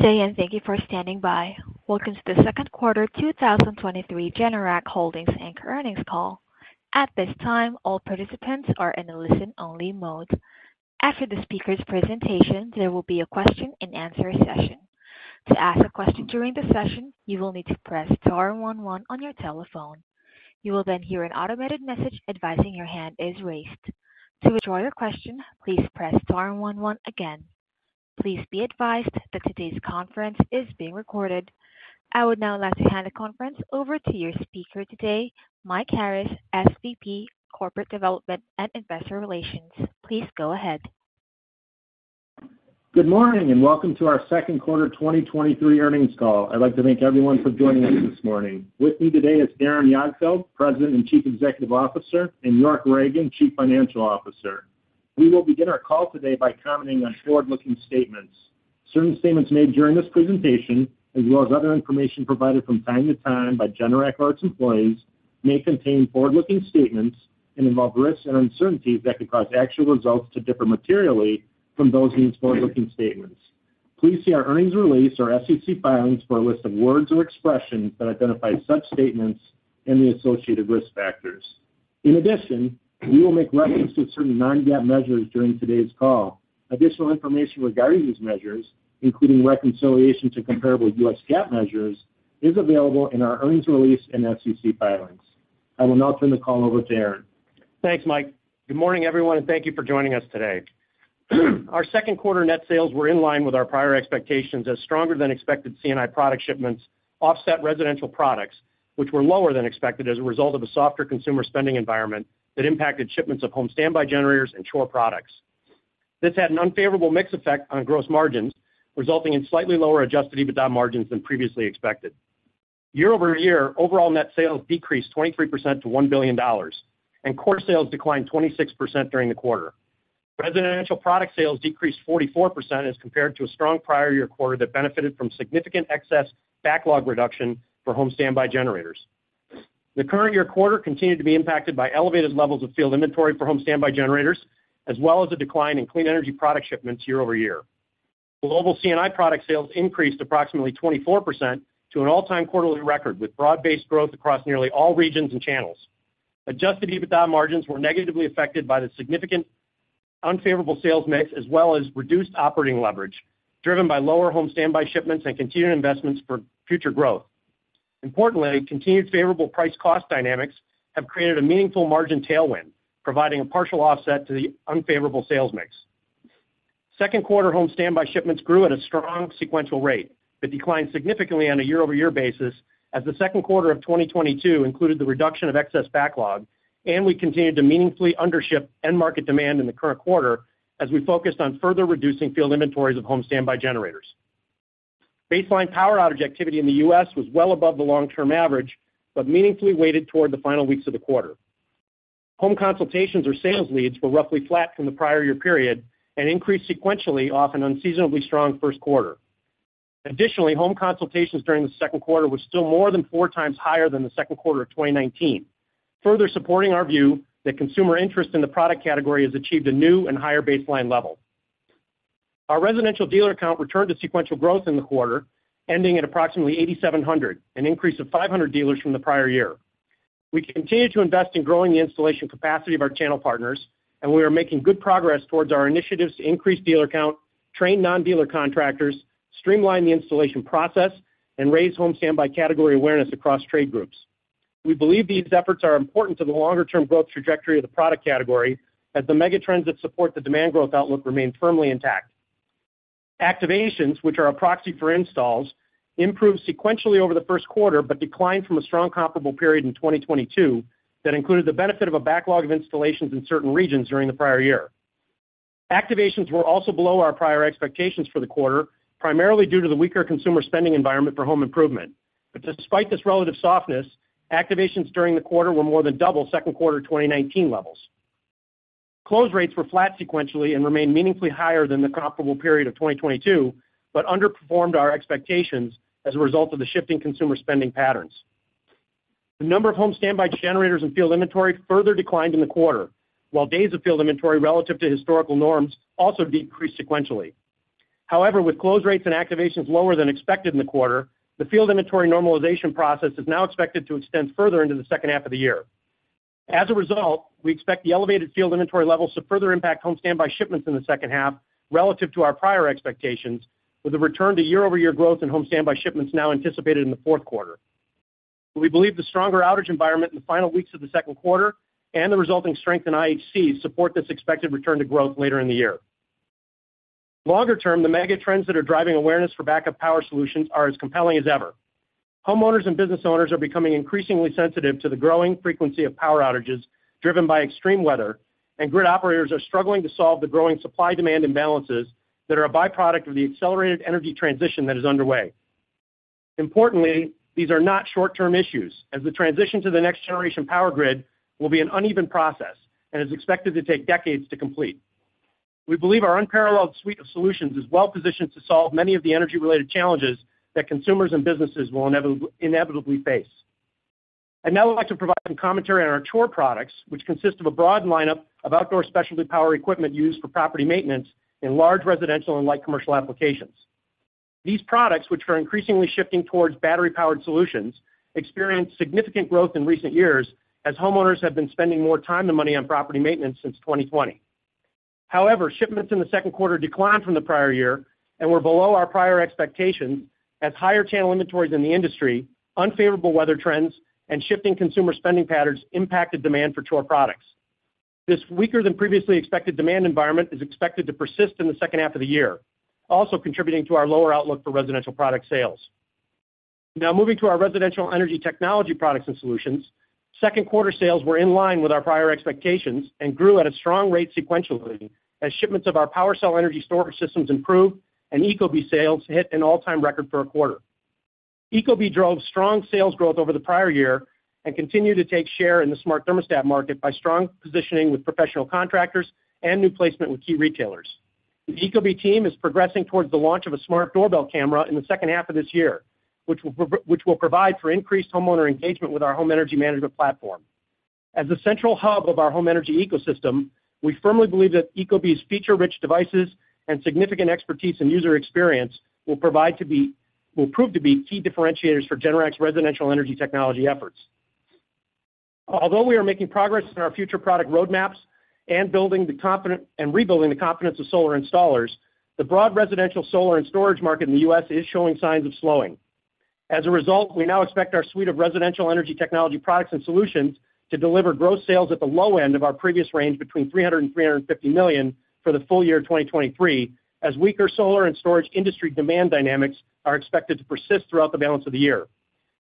Good day, and thank you for standing by. Welcome to The Second Quarter 2023 Generac Holdings Inc. Earnings Call. At this time, all participants are in a listen-only mode. After the speaker's presentation, there will be a question-and-answer session. To ask a question during the session, you will need to press star one, one on your telephone. You will then hear an automated message advising your hand is raised. To withdraw your question, please press star one, one again. Please be advised that today's conference is being recorded. I would now like to hand the conference over to your speaker today, Mike Harris, SVP, Corporate Development and Investor Relations. Please go ahead. Good morning, and welcome to our second quarter 2023 earnings call. I'd like to thank everyone for joining us this morning. With me today is Aaron Jagdfeld, President and Chief Executive Officer, and York A. Ragen, Chief Financial Officer. We will begin our call today by commenting on forward-looking statements. Certain statements made during this presentation, as well as other information provided from time to time by Generac or its employees, may contain forward-looking statements and involve risks and uncertainties that could cause actual results to differ materially from those in these forward-looking statements. Please see our earnings release or SEC filings for a list of words or expressions that identify such statements and the associated risk factors. In addition, we will make reference to certain non-GAAP measures during today's call. Additional information regarding these measures, including reconciliation to comparable U.S. GAAP measures, is available in our earnings release and SEC filings. I will now turn the call over to Aaron. Thanks, Mike. Good morning, everyone, thank you for joining us today. Our second quarter net sales were in line with our prior expectations as stronger than expected C&I product shipments offset residential products, which were lower than expected as a result of a softer consumer spending environment that impacted shipments of Home Standby generators and Chore products. This had an unfavorable mix effect on gross margins, resulting in slightly lower Adjusted EBITDA margins than previously expected. Year-over-year, overall net sales decreased 23% to $1 billion, quarter sales declined 26% during the quarter. Residential product sales decreased 44% as compared to a strong prior year quarter that benefited from significant excess backlog reduction for Home Standby generators. The current year quarter continued to be impacted by elevated levels of field inventory for Home Standby generators, as well as a decline in clean energy product shipments year-over-year. Global C&I product sales increased approximately 24% to an all-time quarterly record, with broad-based growth across nearly all regions and channels. Adjusted EBITDA margins were negatively affected by the significant unfavorable sales mix, as well as reduced operating leverage, driven by lower Home Standby shipments and continued investments for future growth. Importantly, continued favorable price cost dynamics have created a meaningful margin tailwind, providing a partial offset to the unfavorable sales mix. Second quarter Home Standby shipments grew at a strong sequential rate, but declined significantly on a year-over-year basis as the second quarter of 2022 included the reduction of excess backlog, and we continued to meaningfully undership end market demand in the current quarter as we focused on further reducing field inventories of Home Standby generators. Baseline power outage activity in the U.S. was well above the long-term average, but meaningfully weighted toward the final weeks of the quarter. Home Consultations or sales leads were roughly flat from the prior year period and increased sequentially off an unseasonably strong first quarter. Additionally, Home Consultations during the second quarter were still more than 4x higher than the second quarter of 2019. Further supporting our view that consumer interest in the product category has achieved a new and higher baseline level. Our residential dealer count returned to sequential growth in the quarter, ending at approximately 8,700, an increase of 500 dealers from the prior year. We continue to invest in growing the installation capacity of our channel partners, and we are making good progress towards our initiatives to increase dealer count, train non-dealer contractors, streamline the installation process, and raise Home Standby category awareness across trade groups. We believe these efforts are important to the longer-term growth trajectory of the product category as the megatrends that support the demand growth outlook remain firmly intact. Activations, which are a proxy for installs, improved sequentially over the first quarter, but declined from a strong comparable period in 2022, that included the benefit of a backlog of installations in certain regions during the prior year. Activations were also below our prior expectations for the quarter, primarily due to the weaker consumer spending environment for home improvement. But despite this relative softness, activations during the quarter were more than double second quarter 2019 levels. Close rates were flat sequentially and remained meaningfully higher than the comparable period of 2022, but underperformed our expectations as a result of the shifting consumer spending patterns. The number of Home Standby generators and field inventory further declined in the quarter, while days of field inventory relative to historical norms also decreased sequentially. However, with close rates and activations lower than expected in the quarter, the field inventory normalization process is now expected to extend further into the second half of the year. As a result, we expect the elevated field inventory levels to further impact Home Standby shipments in the second half relative to our prior expectations, with a return to year-over-year growth in Home Standby shipments now anticipated in the fourth quarter. We believe the stronger outage environment in the final weeks of the second quarter and the resulting strength in IHC support this expected return to growth later in the year. Longer term, the mega trends that are driving awareness for backup power solutions are as compelling as ever. Homeowners and business owners are becoming increasingly sensitive to the growing frequency of power outages driven by extreme weather, and grid operators are struggling to solve the growing supply-demand imbalances that are a byproduct of the accelerated energy transition that is underway. Importantly, these are not short-term issues, as the transition to the next generation power grid will be an uneven process and is expected to take decades to complete. We believe our unparalleled suite of solutions is well positioned to solve many of the energy-related challenges that consumers and businesses will inevitably face. I'd now like to provide some commentary on our Chore products, which consist of a broad lineup of outdoor specialty power equipment used for property maintenance in large residential and light commercial applications. These products, which are increasingly shifting towards battery-powered solutions, experienced significant growth in recent years as homeowners have been spending more time and money on property maintenance since 2020. However, shipments in the second quarter declined from the prior year and were below our prior expectations, as higher channel inventories in the industry, unfavorable weather trends, and shifting consumer spending patterns impacted demand for Chore products. This weaker than previously expected demand environment is expected to persist in the second half of the year, also contributing to our lower outlook for residential product sales. Moving to our residential energy technology products and solutions. Second quarter sales were in line with our prior expectations and grew at a strong rate sequentially, as shipments of our PWRcell energy storage systems improved and ecobee sales hit an all-time record for a quarter. ecobee drove strong sales growth over the prior year and continued to take share in the smart thermostat market by strong positioning with professional contractors and new placement with key retailers. The ecobee team is progressing towards the launch of a smart doorbell camera in the second half of this year, which will which will provide for increased homeowner engagement with our home energy management platform. As the central hub of our home energy ecosystem, we firmly believe that ecobee's feature-rich devices and significant expertise in user experience will prove to be key differentiators for Generac's residential energy technology efforts. Although we are making progress in our future product roadmaps and building the and rebuilding the confidence of solar installers, the broad residential solar and storage market in the U.S. is showing signs of slowing. As a result, we now expect our suite of residential energy technology products and solutions to deliver gross sales at the low end of our previous range, between $300 million-$350 million for the full year 2023, as weaker solar and storage industry demand dynamics are expected to persist throughout the balance of the year.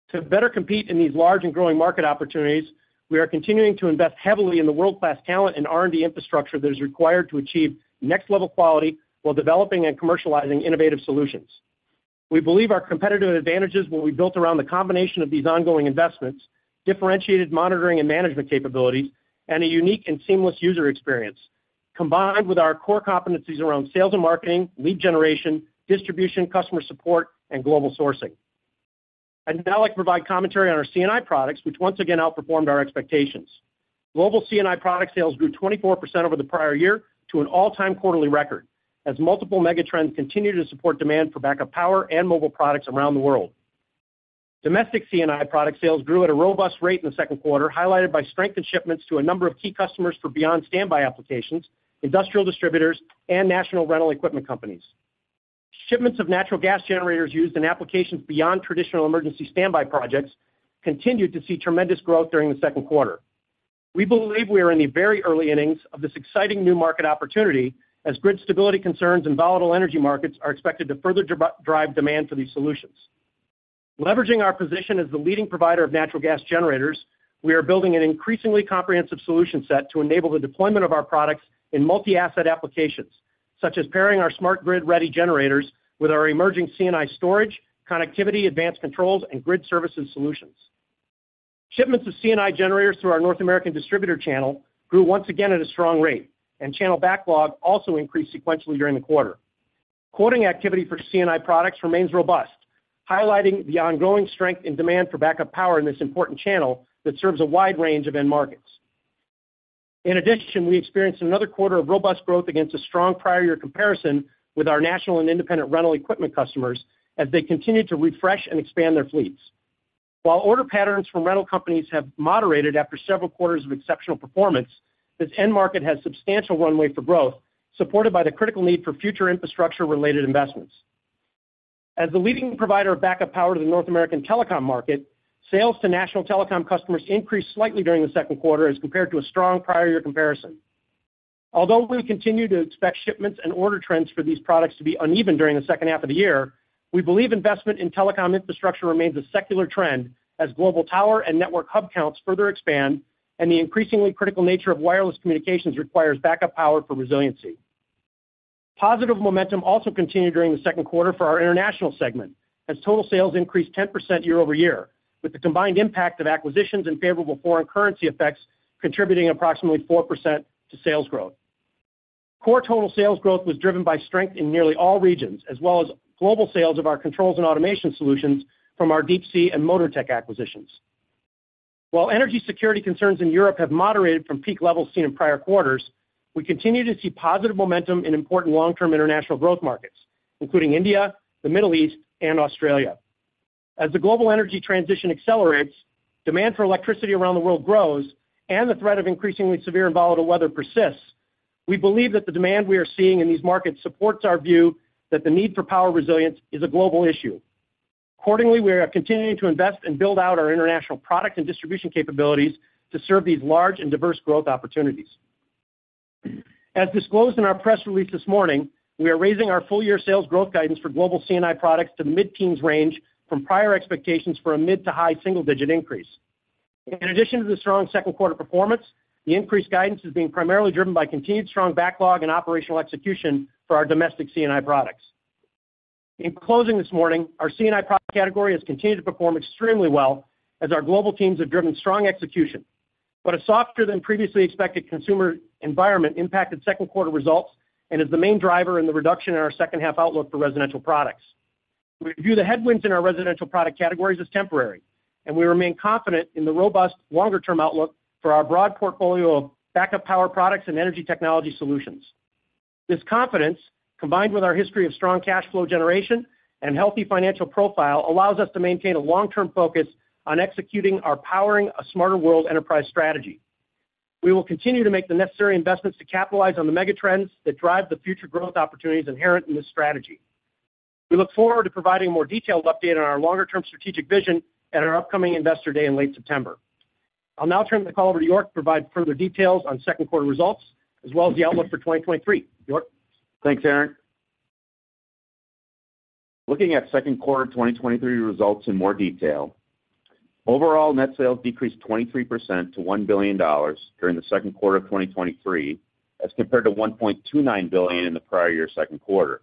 To better compete in these large and growing market opportunities, we are continuing to invest heavily in the world-class talent and R&D infrastructure that is required to achieve next-level quality while developing and commercializing innovative solutions. We believe our competitive advantages will be built around the combination of these ongoing investments, differentiated monitoring and management capabilities, and a unique and seamless user experience, combined with our core competencies around sales and marketing, lead generation, distribution, customer support, and global sourcing. I'd now like to provide commentary on our C&I products, which once again outperformed our expectations. Global C&I product sales grew 24% over the prior year to an all-time quarterly record, as multiple megatrends continued to support demand for backup power and mobile products around the world. Domestic C&I product sales grew at a robust rate in the second quarter, highlighted by strength in shipments to a number of key customers for beyond standby applications, industrial distributors, and national rental equipment companies. Shipments of natural gas generators used in applications beyond traditional emergency standby projects continued to see tremendous growth during the second quarter. We believe we are in the very early innings of this exciting new market opportunity, as grid stability concerns and volatile energy markets are expected to further drive demand for these solutions. Leveraging our position as the leading provider of natural gas generators, we are building an increasingly comprehensive solution set to enable the deployment of our products in multi-asset applications, such as pairing our Smart Grid Ready generators with our emerging C&I storage, connectivity, advanced controls, and grid services solutions. Shipments of C&I generators through our North American distributor channel grew once again at a strong rate, and channel backlog also increased sequentially during the quarter. Quoting activity for C&I products remains robust, highlighting the ongoing strength and demand for backup power in this important channel that serves a wide range of end markets. In addition, we experienced another quarter of robust growth against a strong prior year comparison with our national and independent rental equipment customers as they continued to refresh and expand their fleets. While order patterns from rental companies have moderated after several quarters of exceptional performance, this end market has substantial runway for growth, supported by the critical need for future infrastructure-related investments. As the leading provider of backup power to the North American telecom market, sales to national telecom customers increased slightly during the second quarter as compared to a strong prior year comparison. Although we continue to expect shipments and order trends for these products to be uneven during the second half of the year, we believe investment in telecom infrastructure remains a secular trend as global tower and network hub counts further expand and the increasingly critical nature of wireless communications requires backup power for resiliency. Positive momentum also continued during the second quarter for our international segment, as total sales increased 10% year-over-year, with the combined impact of acquisitions and favorable foreign currency effects contributing approximately 4% to sales growth. Core total sales growth was driven by strength in nearly all regions, as well as global sales of our controls and automation solutions from our Deep Sea and Motortech acquisitions. While energy security concerns in Europe have moderated from peak levels seen in prior quarters, we continue to see positive momentum in important long-term international growth markets, including India, the Middle East, and Australia. As the global energy transition accelerates, demand for electricity around the world grows, and the threat of increasingly severe and volatile weather persists, we believe that the demand we are seeing in these markets supports our view that the need for power resilience is a global issue. Accordingly, we are continuing to invest and build out our international product and distribution capabilities to serve these large and diverse growth opportunities. As disclosed in our press release this morning, we are raising our full-year sales growth guidance for global C&I products to mid-teens range from prior expectations for a mid to high single-digit increase. In addition to the strong second quarter performance, the increased guidance is being primarily driven by continued strong backlog and operational execution for our domestic C&I products. In closing this morning, our C&I product category has continued to perform extremely well as our global teams have driven strong execution. A softer than previously expected consumer environment impacted second quarter results and is the main driver in the reduction in our second half outlook for residential products. We view the headwinds in our residential product categories as temporary, and we remain confident in the robust longer-term outlook for our broad portfolio of backup power products and energy technology solutions. This confidence, combined with our history of strong cash flow generation and healthy financial profile, allows us to maintain a long-term focus on executing our Powering a Smarter World enterprise strategy. We will continue to make the necessary investments to capitalize on the mega trends that drive the future growth opportunities inherent in this strategy. We look forward to providing a more detailed update on our longer-term strategic vision at our upcoming Investor Day in late September. I'll now turn the call over to York to provide further details on second quarter results, as well as the outlook for 2023. York? Thanks, Aaron. Looking at second quarter 2023 results in more detail, overall net sales decreased 23% to $1 billion during the second quarter of 2023, as compared to $1.29 billion in the prior year's second quarter.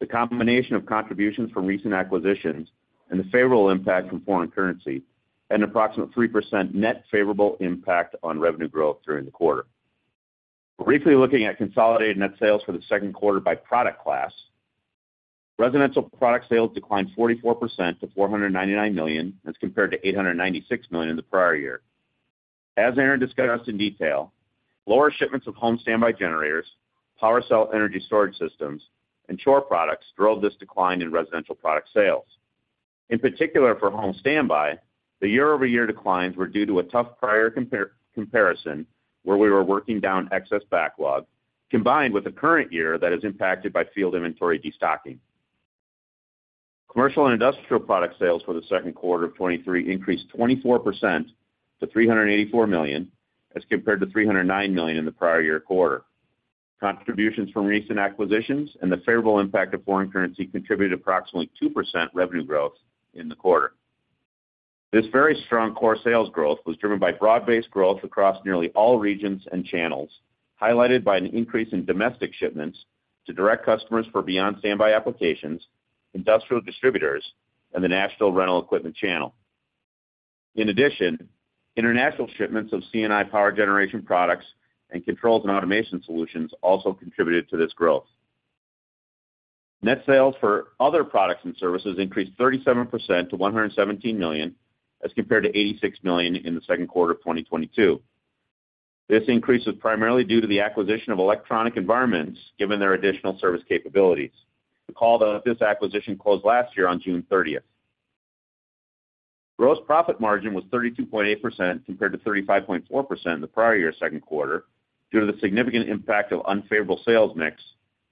The combination of contributions from recent acquisitions and the favorable impact from foreign currency, had an approximate 3% net favorable impact on revenue growth during the quarter. Briefly looking at consolidated net sales for the second quarter by product class, residential product sales declined 44% to $499 million, as compared to $896 million in the prior year. As Aaron discussed in detail, lower shipments of Home Standby generators, PWRcell energy storage systems, and Chore products drove this decline in residential product sales. In particular, for Home Standby, the year-over-year declines were due to a tough prior comparison, where we were working down excess backlog, combined with the current year that is impacted by field inventory destocking. Commercial and industrial product sales for the second quarter of 2023 increased 24% to $384 million, as compared to $309 million in the prior year quarter. Contributions from recent acquisitions and the favorable impact of foreign currency contributed approximately 2% revenue growth in the quarter. This very strong core sales growth was driven by broad-based growth across nearly all regions and channels, highlighted by an increase in domestic shipments to direct customers for beyond standby applications, industrial distributors, and the national rental equipment channel. In addition, international shipments of C&I power generation products and controls and automation solutions also contributed to this growth. Net sales for other products and services increased 37% to $117 million, as compared to $86 million in the second quarter of 2022. This increase is primarily due to the acquisition of Electronic Environments, given their additional service capabilities. The call that this acquisition closed last year on June 30th. Gross profit margin was 32.8%, compared to 35.4% in the prior year's second quarter, due to the significant impact of unfavorable sales mix,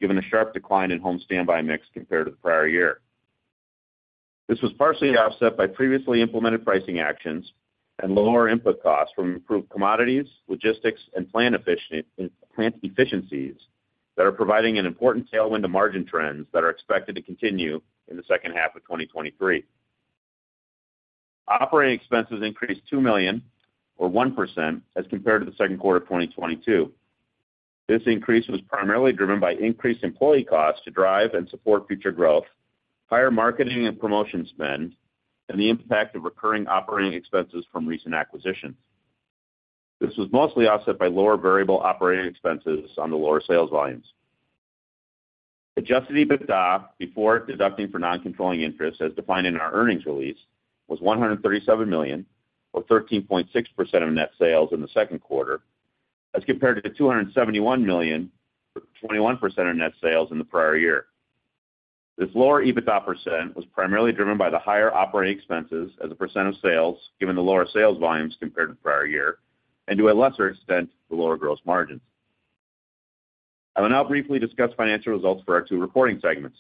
given the sharp decline in Home Standby mix compared to the prior year. This was partially offset by previously implemented pricing actions and lower input costs from improved commodities, logistics, and plant efficiencies that are providing an important tailwind to margin trends that are expected to continue in the second half of 2023. Operating expenses increased $2 million, or 1%, as compared to the second quarter of 2022. This increase was primarily driven by increased employee costs to drive and support future growth, higher marketing and promotion spend, and the impact of recurring operating expenses from recent acquisitions. This was mostly offset by lower variable operating expenses on the lower sales volumes. Adjusted EBITDA, before deducting for non-controlling interests, as defined in our earnings release, was $137 million, or 13.6% of net sales in the second quarter, as compared to $271 million, or 21% of net sales in the prior year. This lower EBITDA percent was primarily driven by the higher operating expenses as a percent of sales, given the lower sales volumes compared to the prior year, and to a lesser extent, the lower gross margins. I will now briefly discuss financial results for our two reporting segments.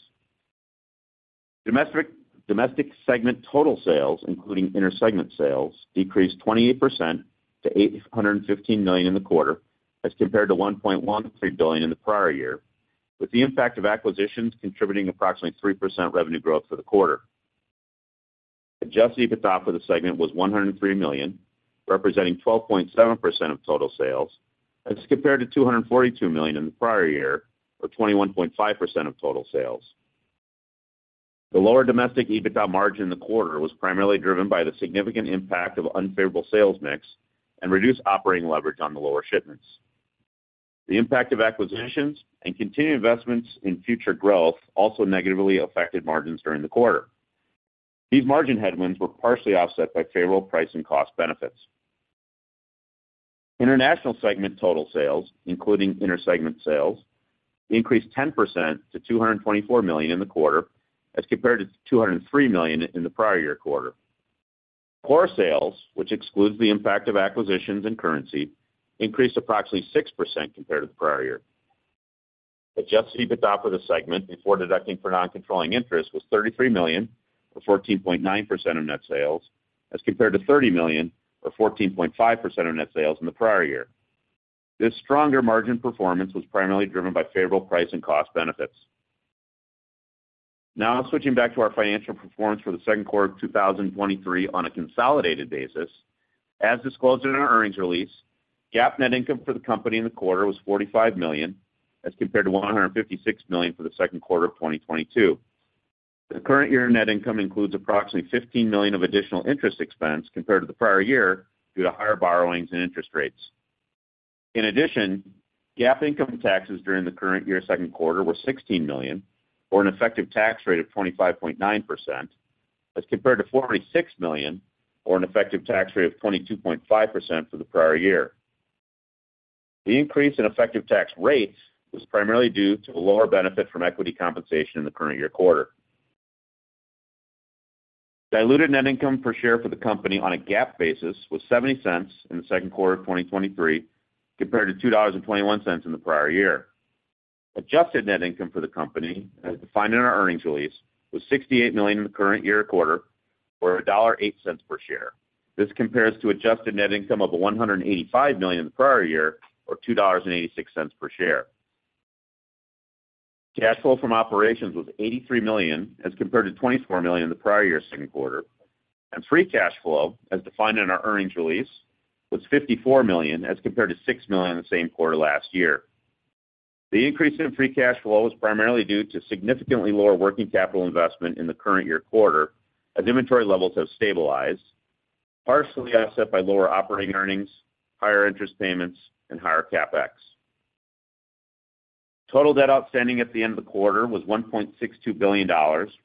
Domestic segment total sales, including inter-segment sales, decreased 28% to $815 million in the quarter, as compared to $1.13 billion in the prior year, with the impact of acquisitions contributing approximately 3% revenue growth for the quarter. Adjusted EBITDA for the segment was $103 million, representing 12.7% of total sales, as compared to $242 million in the prior year, or 21.5% of total sales. The lower domestic EBITDA margin in the quarter was primarily driven by the significant impact of unfavorable sales mix and reduced operating leverage on the lower shipments. The impact of acquisitions and continued investments in future growth also negatively affected margins during the quarter. These margin headwinds were partially offset by favorable price and cost benefits. International segment total sales, including inter-segment sales, increased 10% to $224 million in the quarter, as compared to $203 million in the prior year quarter. Core sales, which excludes the impact of acquisitions and currency, increased approximately 6% compared to the prior year. Adjusted EBITDA for the segment, before deducting for non-controlling interest, was $33 million or 14.9% of net sales, as compared to $30 million or 14.5% of net sales in the prior year. This stronger margin performance was primarily driven by favorable price and cost benefits. Now, switching back to our financial performance for the second quarter of 2023 on a consolidated basis. As disclosed in our earnings release, GAAP net income for the company in the quarter was $45 million, as compared to $156 million for the second quarter of 2022. The current year net income includes approximately $15 million of additional interest expense compared to the prior year due to higher borrowings and interest rates. In addition, GAAP income taxes during the current year's second quarter were $16 million, or an effective tax rate of 25.9%, as compared to $46 million, or an effective tax rate of 22.5% for the prior year. The increase in effective tax rates was primarily due to a lower benefit from equity compensation in the current year quarter. Diluted net income per share for the company on a GAAP basis was $0.70 in the second quarter of 2023, compared to $2.21 in the prior year. Adjusted net income for the company, as defined in our earnings release, was $68 million in the current year quarter, or $1.08 per share. This compares to adjusted net income of $185 million in the prior year, or $2.86 per share. Cash flow from operations was $83 million, as compared to $24 million in the prior year's second quarter, and free cash flow, as defined in our earnings release, was $54 million, as compared to $6 million in the same quarter last year. The increase in free cash flow was primarily due to significantly lower working capital investment in the current year quarter, as inventory levels have stabilized, partially offset by lower operating earnings, higher interest payments, and higher CapEx. Total debt outstanding at the end of the quarter was $1.62 billion,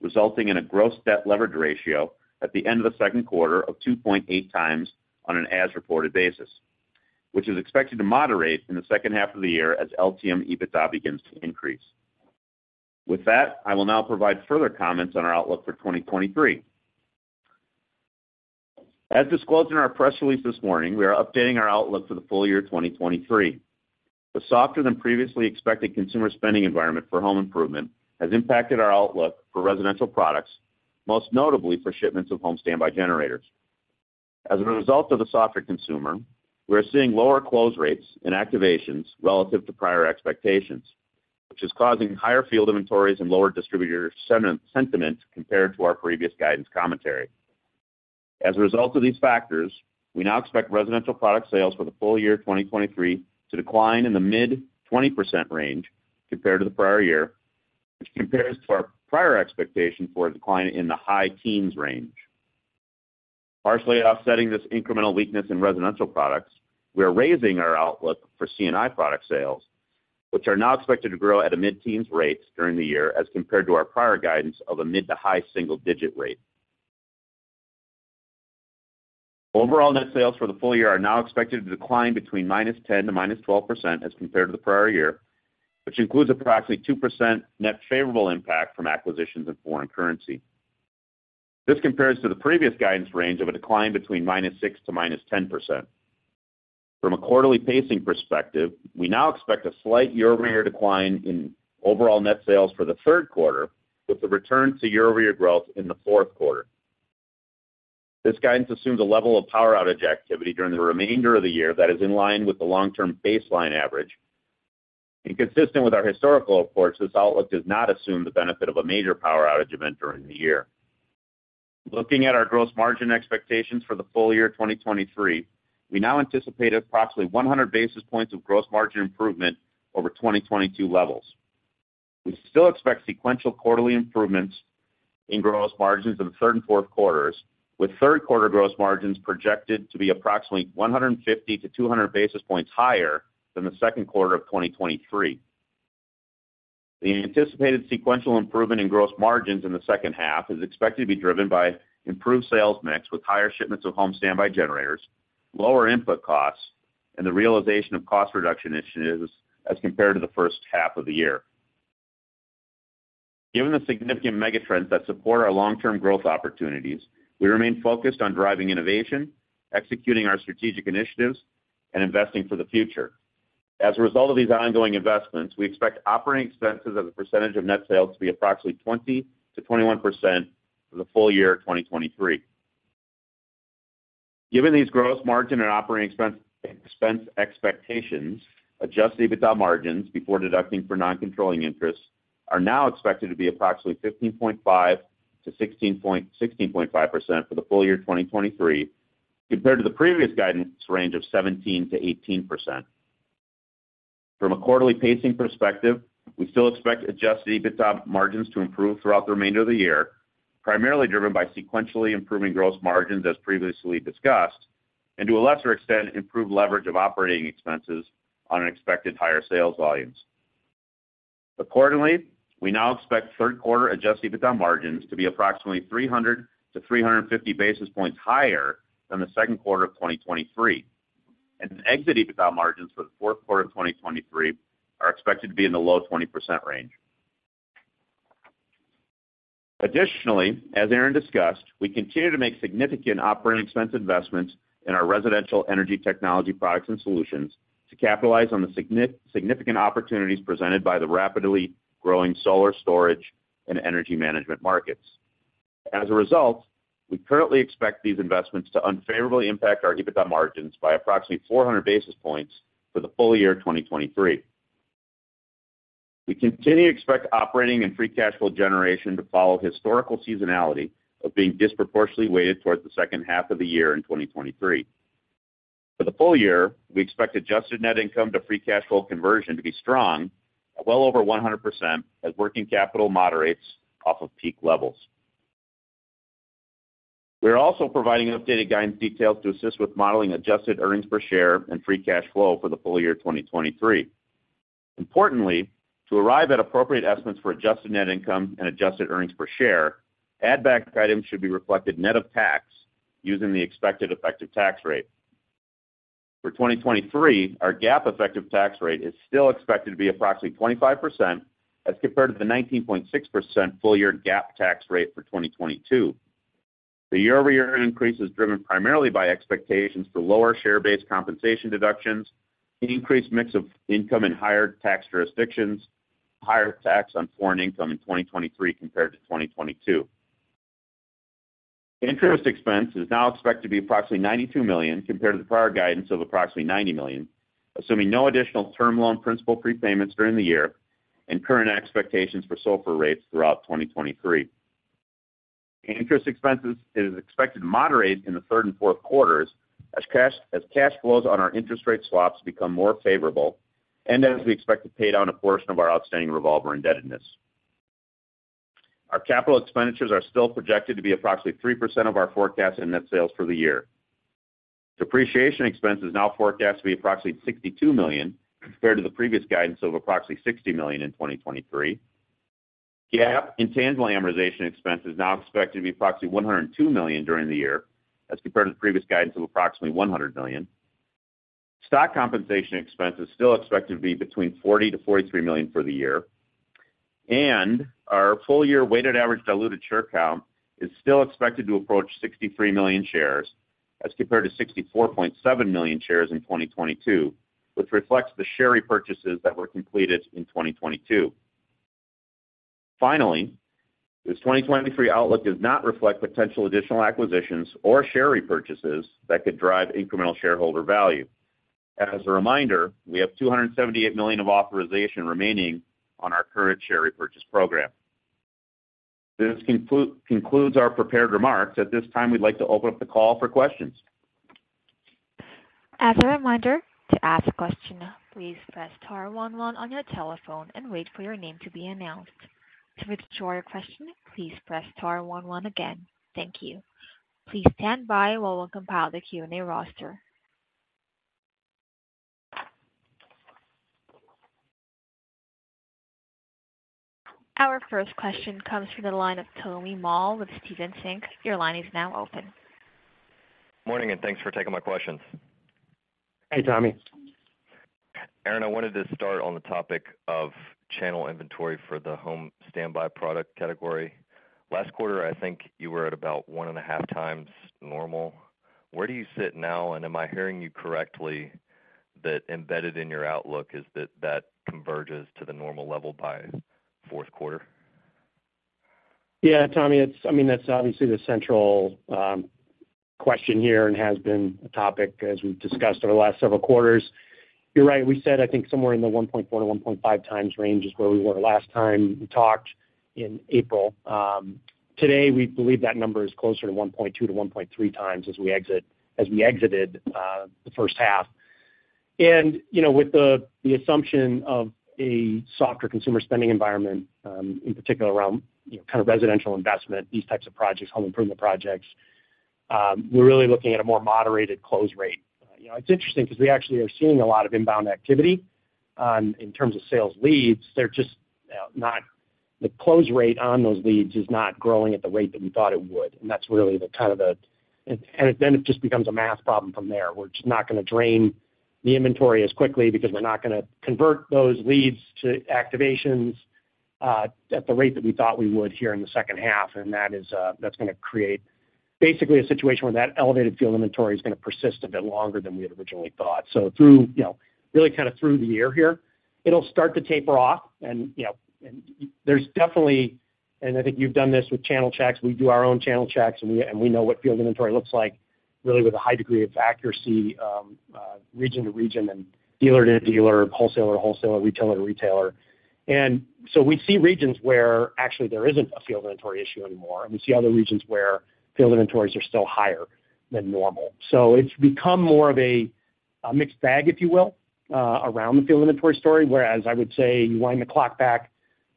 resulting in a gross debt leverage ratio at the end of the second quarter of 2.8x on an as-reported basis, which is expected to moderate in the second half of the year as LTM EBITDA begins to increase. With that, I will now provide further comments on our outlook for 2023. As disclosed in our press release this morning, we are updating our outlook for the full year 2023. The softer-than-previously expected consumer spending environment for home improvement has impacted our outlook for residential products, most notably for shipments of home standby generators. As a result of the softer consumer, we are seeing lower close rates and activations relative to prior expectations, which is causing higher field inventories and lower distributor sentiment compared to our previous guidance commentary. As a result of these factors, we now expect residential product sales for the full year 2023 to decline in the mid-20% range compared to the prior year, which compares to our prior expectation for a decline in the high teens range. Partially offsetting this incremental weakness in residential products, we are raising our outlook for C&I product sales, which are now expected to grow at a mid-teens rates during the year as compared to our prior guidance of a mid to high single-digit rate. Overall net sales for the full year are now expected to decline between -10% to -12% as compared to the prior year, which includes approximately 2% net favorable impact from acquisitions in foreign currency. This compares to the previous guidance range of a decline between -6% to -10%. From a quarterly pacing perspective, we now expect a slight year-over-year decline in overall net sales for the third quarter, with a return to year-over-year growth in the fourth quarter. This guidance assumes a level of power outage activity during the remainder of the year that is in line with the long-term baseline average. Consistent with our historical approach, this outlook does not assume the benefit of a major power outage event during the year. Looking at our gross margin expectations for the full year 2023, we now anticipate approximately 100 basis points of gross margin improvement over 2022 levels. We still expect sequential quarterly improvements in gross margins in the third and fourth quarters, with third quarter gross margins projected to be approximately 150-200 basis points higher than the second quarter of 2023. The anticipated sequential improvement in gross margins in the second half is expected to be driven by improved sales mix with higher shipments of Home Standby generators, lower input costs, and the realization of cost reduction initiatives as compared to the first half of the year. Given the significant megatrends that support our long-term growth opportunities, we remain focused on driving innovation, executing our strategic initiatives, and investing for the future. As a result of these ongoing investments, we expect operating expenses as a percentage of net sales to be approximately 20%-21% for the full year 2023. Given these gross margin and operating expense expectations, Adjusted EBITDA margins before deducting for non-controlling interests, are now expected to be approximately 15.5%-16.5% for the full year 2023, compared to the previous guidance range of 17%-18%. From a quarterly pacing perspective, we still expect Adjusted EBITDA margins to improve throughout the remainder of the year, primarily driven by sequentially improving gross margins as previously discussed, and to a lesser extent, improved leverage of operating expenses on an expected higher sales volumes. Accordingly, we now expect third quarter Adjusted EBITDA margins to be approximately 300-350 basis points higher than the second quarter of 2023, and exit EBITDA margins for the fourth quarter of 2023 are expected to be in the low 20% range. Additionally, as Aaron discussed, we continue to make significant operating expense investments in our residential energy technology products and solutions to capitalize on the significant opportunities presented by the rapidly growing solar storage and energy management markets. As a result, we currently expect these investments to unfavorably impact our EBITDA margins by approximately 400 basis points for the full year 2023. We continue to expect operating and free cash flow generation to follow historical seasonality of being disproportionately weighted towards the second half of the year in 2023. For the full year, we expect adjusted net income to free cash flow conversion to be strong at well over 100% as working capital moderates off of peak levels. We are also providing updated guidance details to assist with modeling adjusted earnings per share and free cash flow for the full year 2023. Importantly, to arrive at appropriate estimates for adjusted net income and adjusted earnings per share, add-back items should be reflected net of tax using the expected effective tax rate. For 2023, our GAAP effective tax rate is still expected to be approximately 25% as compared to the 19.6% full year GAAP tax rate for 2022. The year-over-year increase is driven primarily by expectations for lower share-based compensation deductions, an increased mix of income in higher tax jurisdictions, higher tax on foreign income in 2023 compared to 2022. Interest expense is now expected to be approximately $92 million, compared to the prior guidance of approximately $90 million, assuming no additional term loan principal prepayments during the year and current expectations for SOFR rates throughout 2023. Interest expenses is expected to moderate in the third and fourth quarters as cash flows on our interest rate swaps become more favorable and as we expect to pay down a portion of our outstanding revolver indebtedness. Our capital expenditures are still projected to be approximately 3% of our forecast in net sales for the year. Depreciation expense is now forecast to be approximately $62 million, compared to the previous guidance of approximately $60 million in 2023. GAAP intangible amortization expense is now expected to be approximately $102 million during the year, as compared to the previous guidance of approximately $100 million. Stock compensation expense is still expected to be between $40 million-$43 million for the year, and our full-year weighted average diluted share count is still expected to approach 63 million shares, as compared to 64.7 million shares in 2022, which reflects the share repurchases that were completed in 2022. Finally, this 2023 outlook does not reflect potential additional acquisitions or share repurchases that could drive incremental shareholder value. As a reminder, we have $278 million of authorization remaining on our current share repurchase program. This concludes our prepared remarks.At this time, we'd like to open up the call for questions. As a reminder, to ask a question, please press star one one on your telephone and wait for your name to be announced. To withdraw your question, please press star one one again. Thank you. Please stand by while we compile the Q&A roster. Our first question comes from the line of Tommy Moll with Stephens Inc.. Your line is now open. Morning, and thanks for taking my questions. Hey, Tommy. Aaron, I wanted to start on the topic of channel inventory for the Home Standby product category. Last quarter, I think you were at about 1.5x normal. Where do you sit now? Am I hearing you correctly, that embedded in your outlook is that, that converges to the normal level by fourth quarter? Yeah, Tommy, it's, I mean, that's obviously the central question here and has been a topic as we've discussed over the last several quarters. You're right. We said I think somewhere in the 1.4x to 1.5x range is where we were last time we talked in April. Today, we believe that number is closer to 1.2x to 1.3x as we exited the first half. You know, with the, the assumption of a softer consumer spending environment, in particular around, you know, kind of residential investment, these types of projects, home improvement projects, we're really looking at a more moderated close rate. You know, it's interesting because we actually are seeing a lot of inbound activity, in terms of sales leads. They're just not the close rate on those leads is not growing at the rate that we thought it would. That's really the kind of the. Then it just becomes a math problem from there. We're just not going to drain the inventory as quickly because we're not going to convert those leads to activations at the rate that we thought we would here in the second half. That is, that's going to create basically a situation where that elevated field inventory is going to persist a bit longer than we had originally thought. Through, you know, really kind of through the year here, it'll start to taper off. You know, there's definitely, and I think you've done this with channel checks. We do our own channel checks, and we, and we know what field inventory looks like really with a high degree of accuracy, region to region and dealer-to-dealer, wholesaler-to-wholesaler, retailer-to-retailer. We see regions where actually there isn't a field inventory issue anymore, and we see other regions where field inventories are still higher than normal. It's become more of a, a mixed bag, if you will, around the field inventory story. Whereas I would say you wind the clock back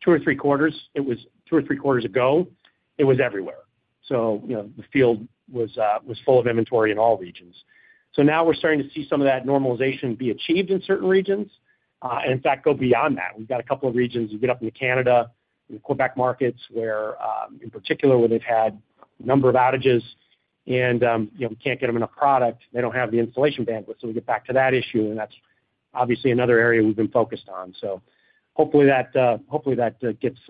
two or three quarters, it was two or three quarters ago, it was everywhere. You know, the field was full of inventory in all regions. Now we're starting to see some of that normalization be achieved in certain regions, and in fact, go beyond that. We've got a couple of regions. You get up into Canada, in the Quebec markets, where, in particular, where they've had a number of outages and, you know, we can't get them enough product. They don't have the installation bandwidth. We get back to that issue, and that's obviously another area we've been focused on. Hopefully that, hopefully that, gets,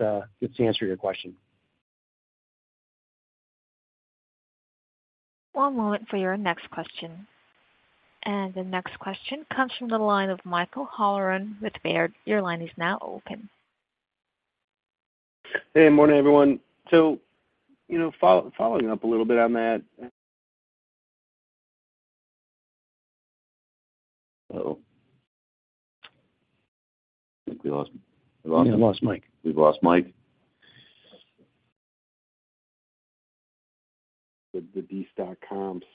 gets to answer your question. One moment for your next question. The next question comes from the line of Michael Halloran with Baird. Your line is now open. Hey, morning, everyone. You know, following up a little bit on that... Uh-oh. I think we lost him. We lost Mike. We've lost Mike?... the de-stock comps.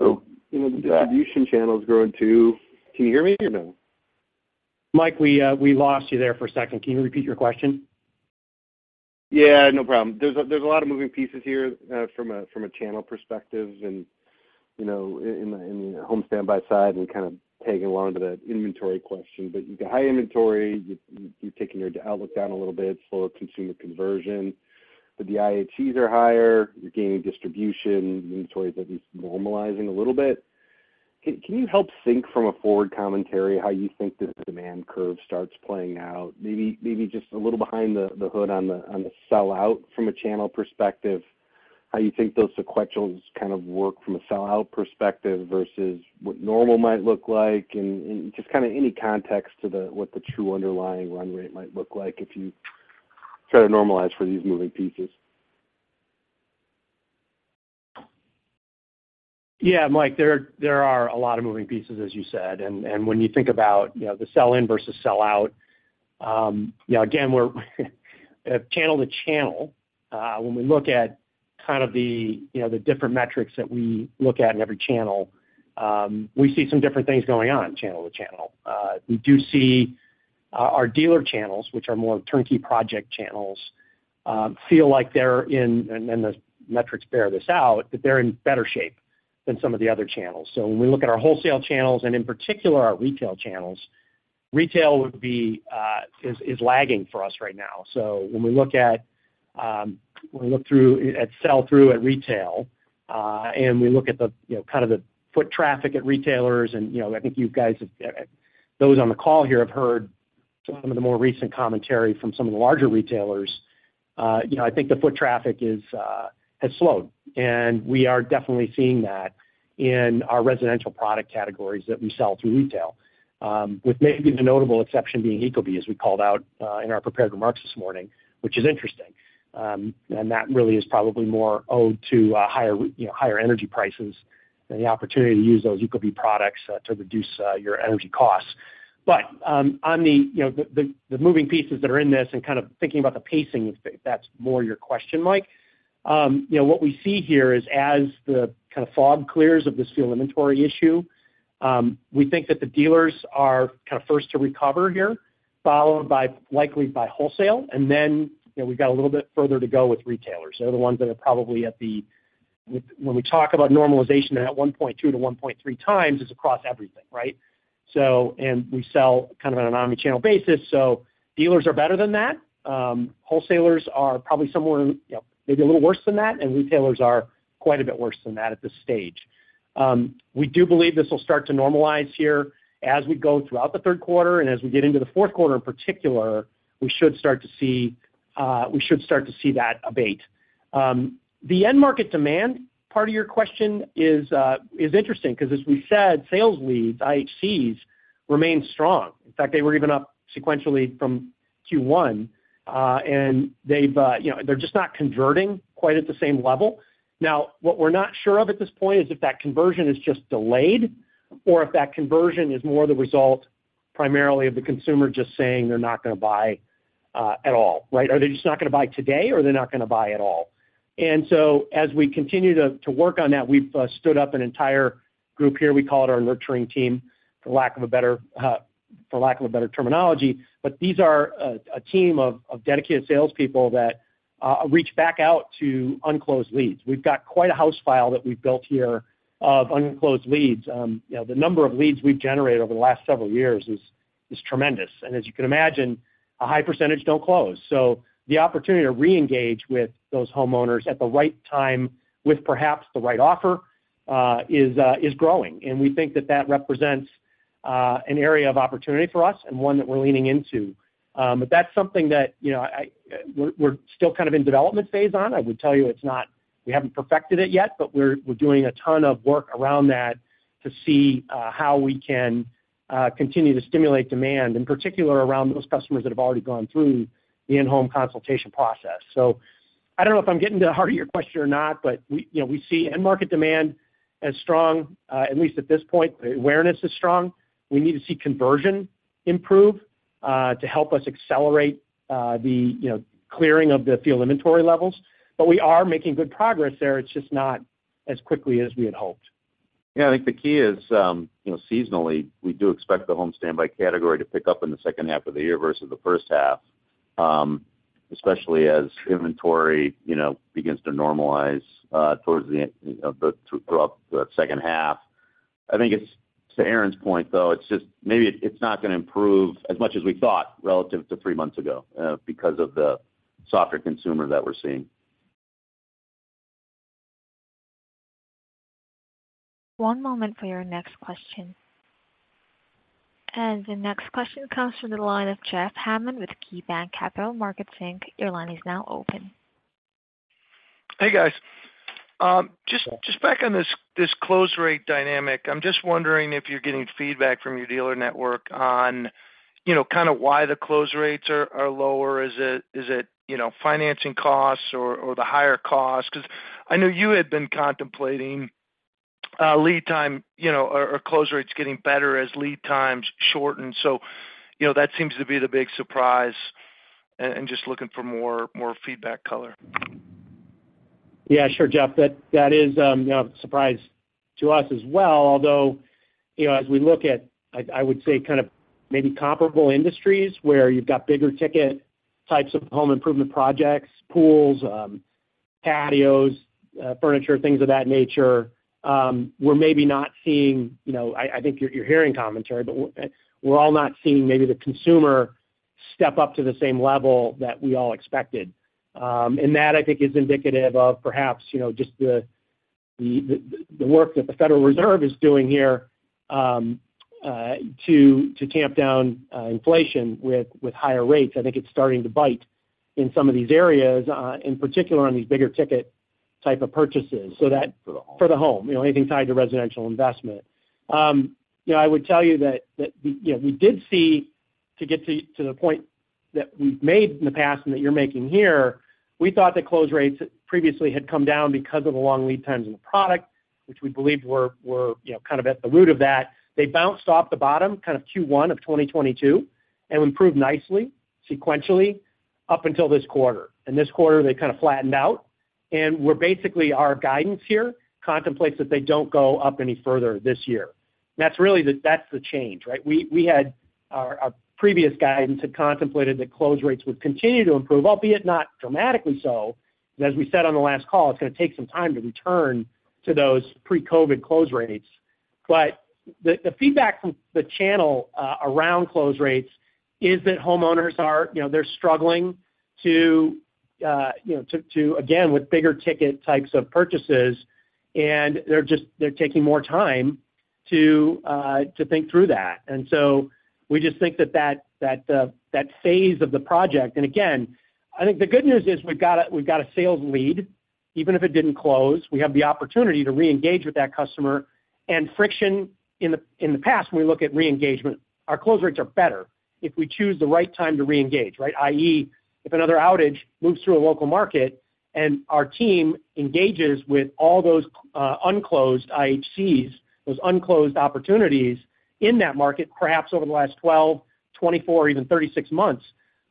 You know, the distribution channel is growing, too. Can you hear me or no? Mike, we, we lost you there for a second. Can you repeat your question? Yeah, no problem. There's a, there's a lot of moving pieces here, from a, from a channel perspective, and, you know, in, in the Home Standby side and kind of tagging along to that inventory question. You've got high inventory, you, you're taking your outlook down a little bit, slower consumer conversion. The IHCs are higher, you're gaining distribution, inventory is at least normalizing a little bit. Can, can you help think from a forward commentary, how you think this demand curve starts playing out? Maybe, maybe just a little behind the hood on the sell out from a channel perspective, how you think those sequentials kind of work from a sellout perspective versus what normal might look like, and just kind of any context to what the true underlying run rate might look like if you try to normalize for these moving pieces? Yeah, Mike, there, there are a lot of moving pieces, as you said. When you think about, you know, the sell-in versus sell-out, you know, again, we're channel-to-channel, when we look at kind of the, you know, the different metrics that we look at in every channel, we see some different things going on channel to channel. We do see our dealer channels, which are more turnkey project channels, feel like they're in, and, and the metrics bear this out, that they're in better shape than some of the other channels. When we look at our wholesale channels, and in particular, our retail channels, retail would be, is, is lagging for us right now. When we look at, when we look through, at sell-through at retail, and we look at the, you know, kind of the foot traffic at retailers, and, you know, I think you guys, those on the call here have heard some of the more recent commentary from some of the larger retailers. You know, I think the foot traffic is, has slowed, and we are definitely seeing that in our residential product categories that we sell through retail. With maybe the notable exception being ecobee, as we called out, in our prepared remarks this morning, which is interesting. That really is probably more owed to, higher, you know, higher energy prices and the opportunity to use those ecobee products, to reduce, your energy costs. On the, you know, the, the, the moving pieces that are in this and kind of thinking about the pacing, if that's more your question, Mike, you know, what we see here is as the kind of fog clears of this field inventory issue, we think that the dealers are kind of first to recover here, followed by, likely by wholesale. You know, we've got a little bit further to go with retailers. They're the ones that are probably at the... When we talk about normalization at 1.2x to 1.3x, it's across everything, right? We sell kind of on an omni-channel basis, so dealers are better than that. Wholesalers are probably somewhere, you know, maybe a little worse than that, and retailers are quite a bit worse than that at this stage. We do believe this will start to normalize here as we go throughout the third quarter, as we get into the fourth quarter, in particular, we should start to see, we should start to see that abate. The end market demand, part of your question is interesting because, as we said, sales leads, IHCs, remain strong. In fact, they were even up sequentially from Q1. They've, you know, they're just not converting quite at the same level. Now, what we're not sure of at this point is if that conversion is just delayed or if that conversion is more the result, primarily of the consumer just saying they're not going to buy at all, right? Are they just not going to buy today, or they're not going to buy at all? As we continue to work on that, we've stood up an entire group here. We call it our nurturing team, for lack of a better, for lack of a better terminology. These are a team of dedicated salespeople that reach back out to unclosed leads. We've got quite a house file that we've built here of unclosed leads. You know, the number of leads we've generated over the last several years is tremendous. As you can imagine, a high percentage don't close. The opportunity to reengage with those homeowners at the right time, with perhaps the right offer, is growing. We think that that represents an area of opportunity for us and one that we're leaning into. But that's something that, you know, we're, we're still kind of in development phase on. I would tell you it's not, we haven't perfected it yet, but we're, we're doing a ton of work around that to see how we can continue to stimulate demand, in particular around those customers that have already gone through the in-home consultation process. I don't know if I'm getting to the heart of your question or not, but we, you know, we see end market demand as strong, at least at this point, awareness is strong. We need to see conversion improve to help us accelerate the, you know, clearing of the field inventory levels. We are making good progress there. It's just not as quickly as we had hoped. Yeah, I think the key is, you know, seasonally, we do expect the Home Standby category to pick up in the second half of the year versus the first half, especially as inventory, you know, begins to normalize, towards the end of the, throughout the second half. I think it's to Aaron's point, though, it's just maybe it's not going to improve as much as we thought relative to three months ago, because of the softer consumer that we're seeing. One moment for your next question. The next question comes from the line of Jeff Hammond with KeyBanc Capital Markets Inc. Your line is now open. Hey, guys. just, just back on this, this close rate dynamic, I'm just wondering if you're getting feedback from your dealer network on, you know, kind of why the close rates are, are lower. Is it, is it, you know, financing costs or, or the higher costs? Because I know you had been contemplating lead time, you know, or, or close rates getting better as lead times shorten. you know, that seems to be the big surprise and, and just looking for more, more feedback color. Yeah, sure, Jeff. That, that is, you know, a surprise to us as well. Although, you know, as we look at, I, I would say kind of maybe comparable industries where you've got bigger ticket types of home improvement projects, pools, patios, furniture, things of that nature, we're maybe not seeing, you know, I, I think you're, you're hearing commentary, but we're all not seeing maybe the consumer step up to the same level that we all expected. And that, I think, is indicative of perhaps, you know, just the, the, the, the work that the Federal Reserve is doing here, to, to tamp down, inflation with, with higher rates. I think it's starting to bite in some of these areas, in particular on these bigger ticket type of purchases. That. For the home. For the home, you know, anything tied to residential investment. You know, I would tell you that, that, you know, we did see, to get to, to the point that we've made in the past and that you're making here, we thought that close rates previously had come down because of the long lead times in the product, which we believed were, were, you know, kind of at the root of that. They bounced off the bottom, kind of Q1 of 2022, and improved nicely, sequentially, up until this quarter. This quarter, they kind of flattened out, and we're basically, our guidance here contemplates that they don't go up any further this year. That's really that's the change, right? We, we had our, our previous guidance had contemplated that close rates would continue to improve, albeit not dramatically so. As we said on the last call, it's gonna take some time to return to those pre-COVID close rates. The, the feedback from the channel, around close rates is that homeowners are, you know, they're struggling to, you know, to, to, again, with bigger ticket types of purchases, and they're taking more time to, to think through that. We just think that, that, that, that phase of the project... Again, I think the good news is we've got a, we've got a sales lead. Even if it didn't close, we have the opportunity to reengage with that customer. Friction in the, in the past, when we look at reengagement, our close rates are better if we choose the right time to reengage, right? I.e., if another outage moves through a local market and our team engages with all those, unclosed IHCs, those unclosed opportunities in that market, perhaps over the last 12, 24, or even 36 months,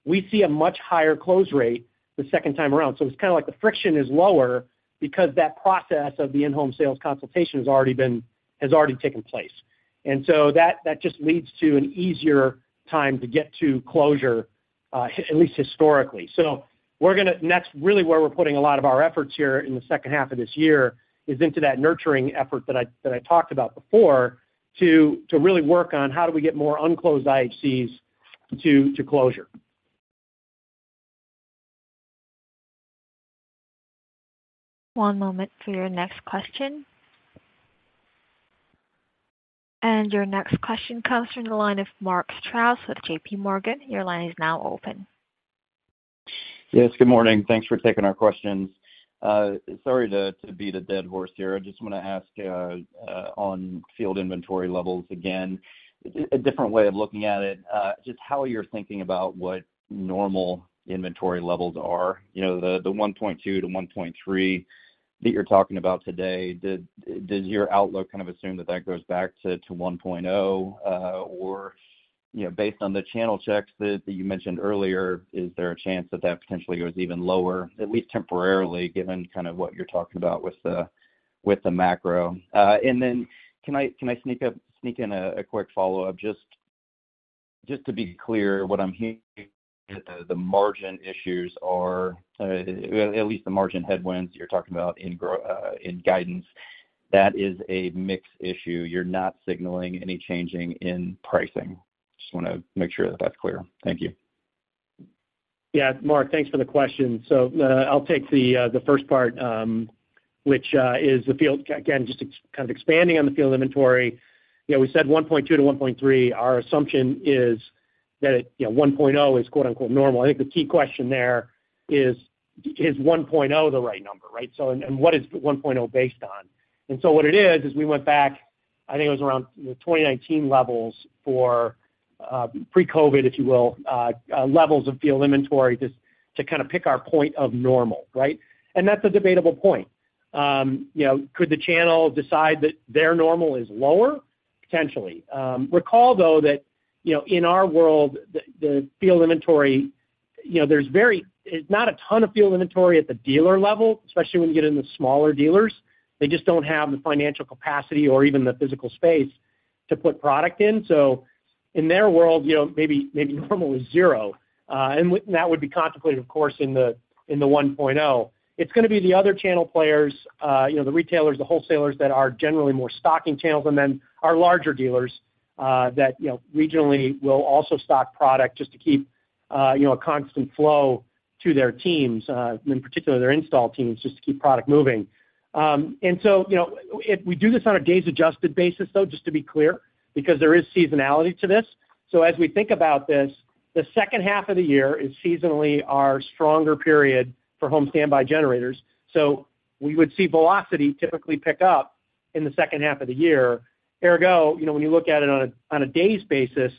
we see a much higher close rate the second time around. It's kind of like the friction is lower because that process of the in-home sales consultation has already taken place. That, that just leads to an easier time to get to closure, at least historically. That's really where we're putting a lot of our efforts here in the second half of this year, is into that nurturing effort that I, that I talked about before, to, to really work on how do we get more unclosed IHCs to, to closure. One moment for your next question. Your next question comes from the line of Mark Strouse with JPMorgan. Your line is now open. Yes, good morning. Thanks for taking our questions. Sorry to beat a dead horse here. I just want to ask on field inventory levels again, a different way of looking at it, just how you're thinking about what normal inventory levels are. You know, the 1.2x to 1.3x that you're talking about today, does your outlook kind of assume that that goes back to 1.0x? Or, you know, based on the channel checks that you mentioned earlier, is there a chance that that potentially goes even lower, at least temporarily, given kind of what you're talking about with the macro? Then can I sneak in a quick follow-up? Just, just to be clear, what I'm hearing, the margin issues are, at least the margin headwinds you're talking about in guidance, that is a mix issue. You're not signaling any changing in pricing. Just wanna make sure that that's clear. Thank you. Yeah, Mark, thanks for the question. I'll take the, the first part. Again, just kind of expanding on the field inventory. You know, we said 1.2 to 1.3. Our assumption is that it, you know, 1.0 is quote, unquote, "normal." I think the key question there is, is 1.0 the right number, right? What is 1.0 based on? What it is, is we went back, I think it was around the 2019 levels for, pre-COVID, if you will, levels of field inventory, just to kind of pick our point of normal, right? That's a debatable point. You know, could the channel decide that their normal is lower? Potentially. Recall, though, that, you know, in our world, the, the field inventory, you know, there's not a ton of field inventory at the dealer level, especially when you get into smaller dealers. They just don't have the financial capacity or even the physical space to put product in. In their world, you know, maybe, maybe normal is 0. That would be contemplated, of course, in the, in the 1.0. It's gonna be the other channel players, you know, the retailers, the wholesalers that are generally more stocking channels, and then our larger dealers, that, you know, regionally will also stock product just to keep, you know, a constant flow to their teams, in particular, their install teams, just to keep product moving. You know, we do this on a days-adjusted basis, though, just to be clear, because there is seasonality to this. As we think about this, the second half of the year is seasonally our stronger period for Home Standby generators. We would see velocity typically pick up in the second half of the year. Ergo, you know, when you look at it on a days-basis,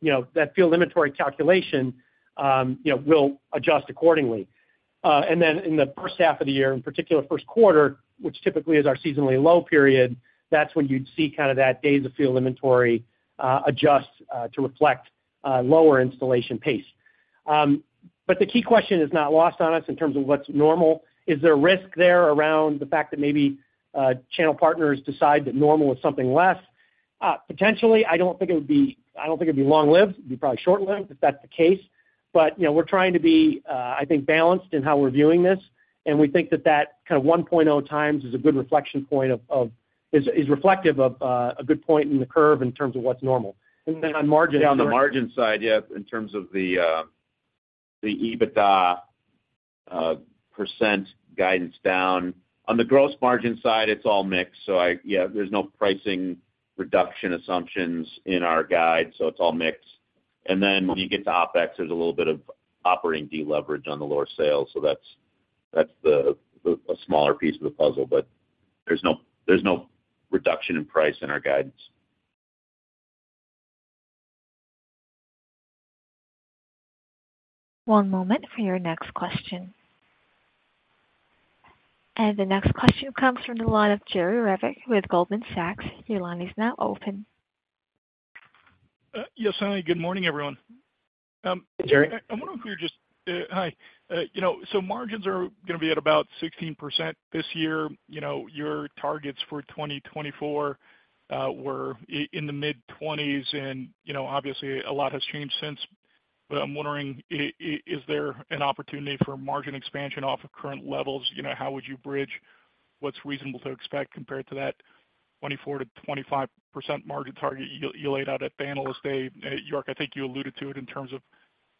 you know, that field inventory calculation, you know, will adjust accordingly. Then in the first half of the year, in particular, first quarter, which typically is our seasonally low period, that's when you'd see kind of that days of field inventory, adjust to reflect lower installation pace. The key question is not lost on us in terms of what's normal. Is there a risk there around the fact that maybe channel partners decide that normal is something less? Potentially, I don't think it'd be long-lived. It'd be probably short-lived, if that's the case. You know, we're trying to be, I think, balanced in how we're viewing this, and we think that that kind of 1.0x is a good reflection point of, is reflective of a good point in the curve in terms of what's normal. On margin- Yeah, on the margin side, yeah, in terms of the EBITDA percent guidance down. On the gross margin side, it's all mixed. Yeah, there's no pricing reduction assumptions in our guide, so it's all mixed. Then when you get to OpEx, there's a little bit of operating deleverage on the lower sales, so that's, that's a smaller piece of the puzzle, but there's no, there's no reduction in price in our guidance. One moment for your next question. The next question comes from the line of Jerry Revich with Goldman Sachs. Your line is now open. Yes, hi, good morning, everyone. Hey, Jerry. I want to hear just. Hi. You know, margins are going to be at about 16% this year. You know, your targets for 2024 were in the mid-20s, and, you know, obviously, a lot has changed since. I'm wondering, is there an opportunity for margin expansion off of current levels? You know, how would you bridge what's reasonable to expect compared to that 24%-25% margin target you, you laid out at the Investor Day? York, I think you alluded to it in terms of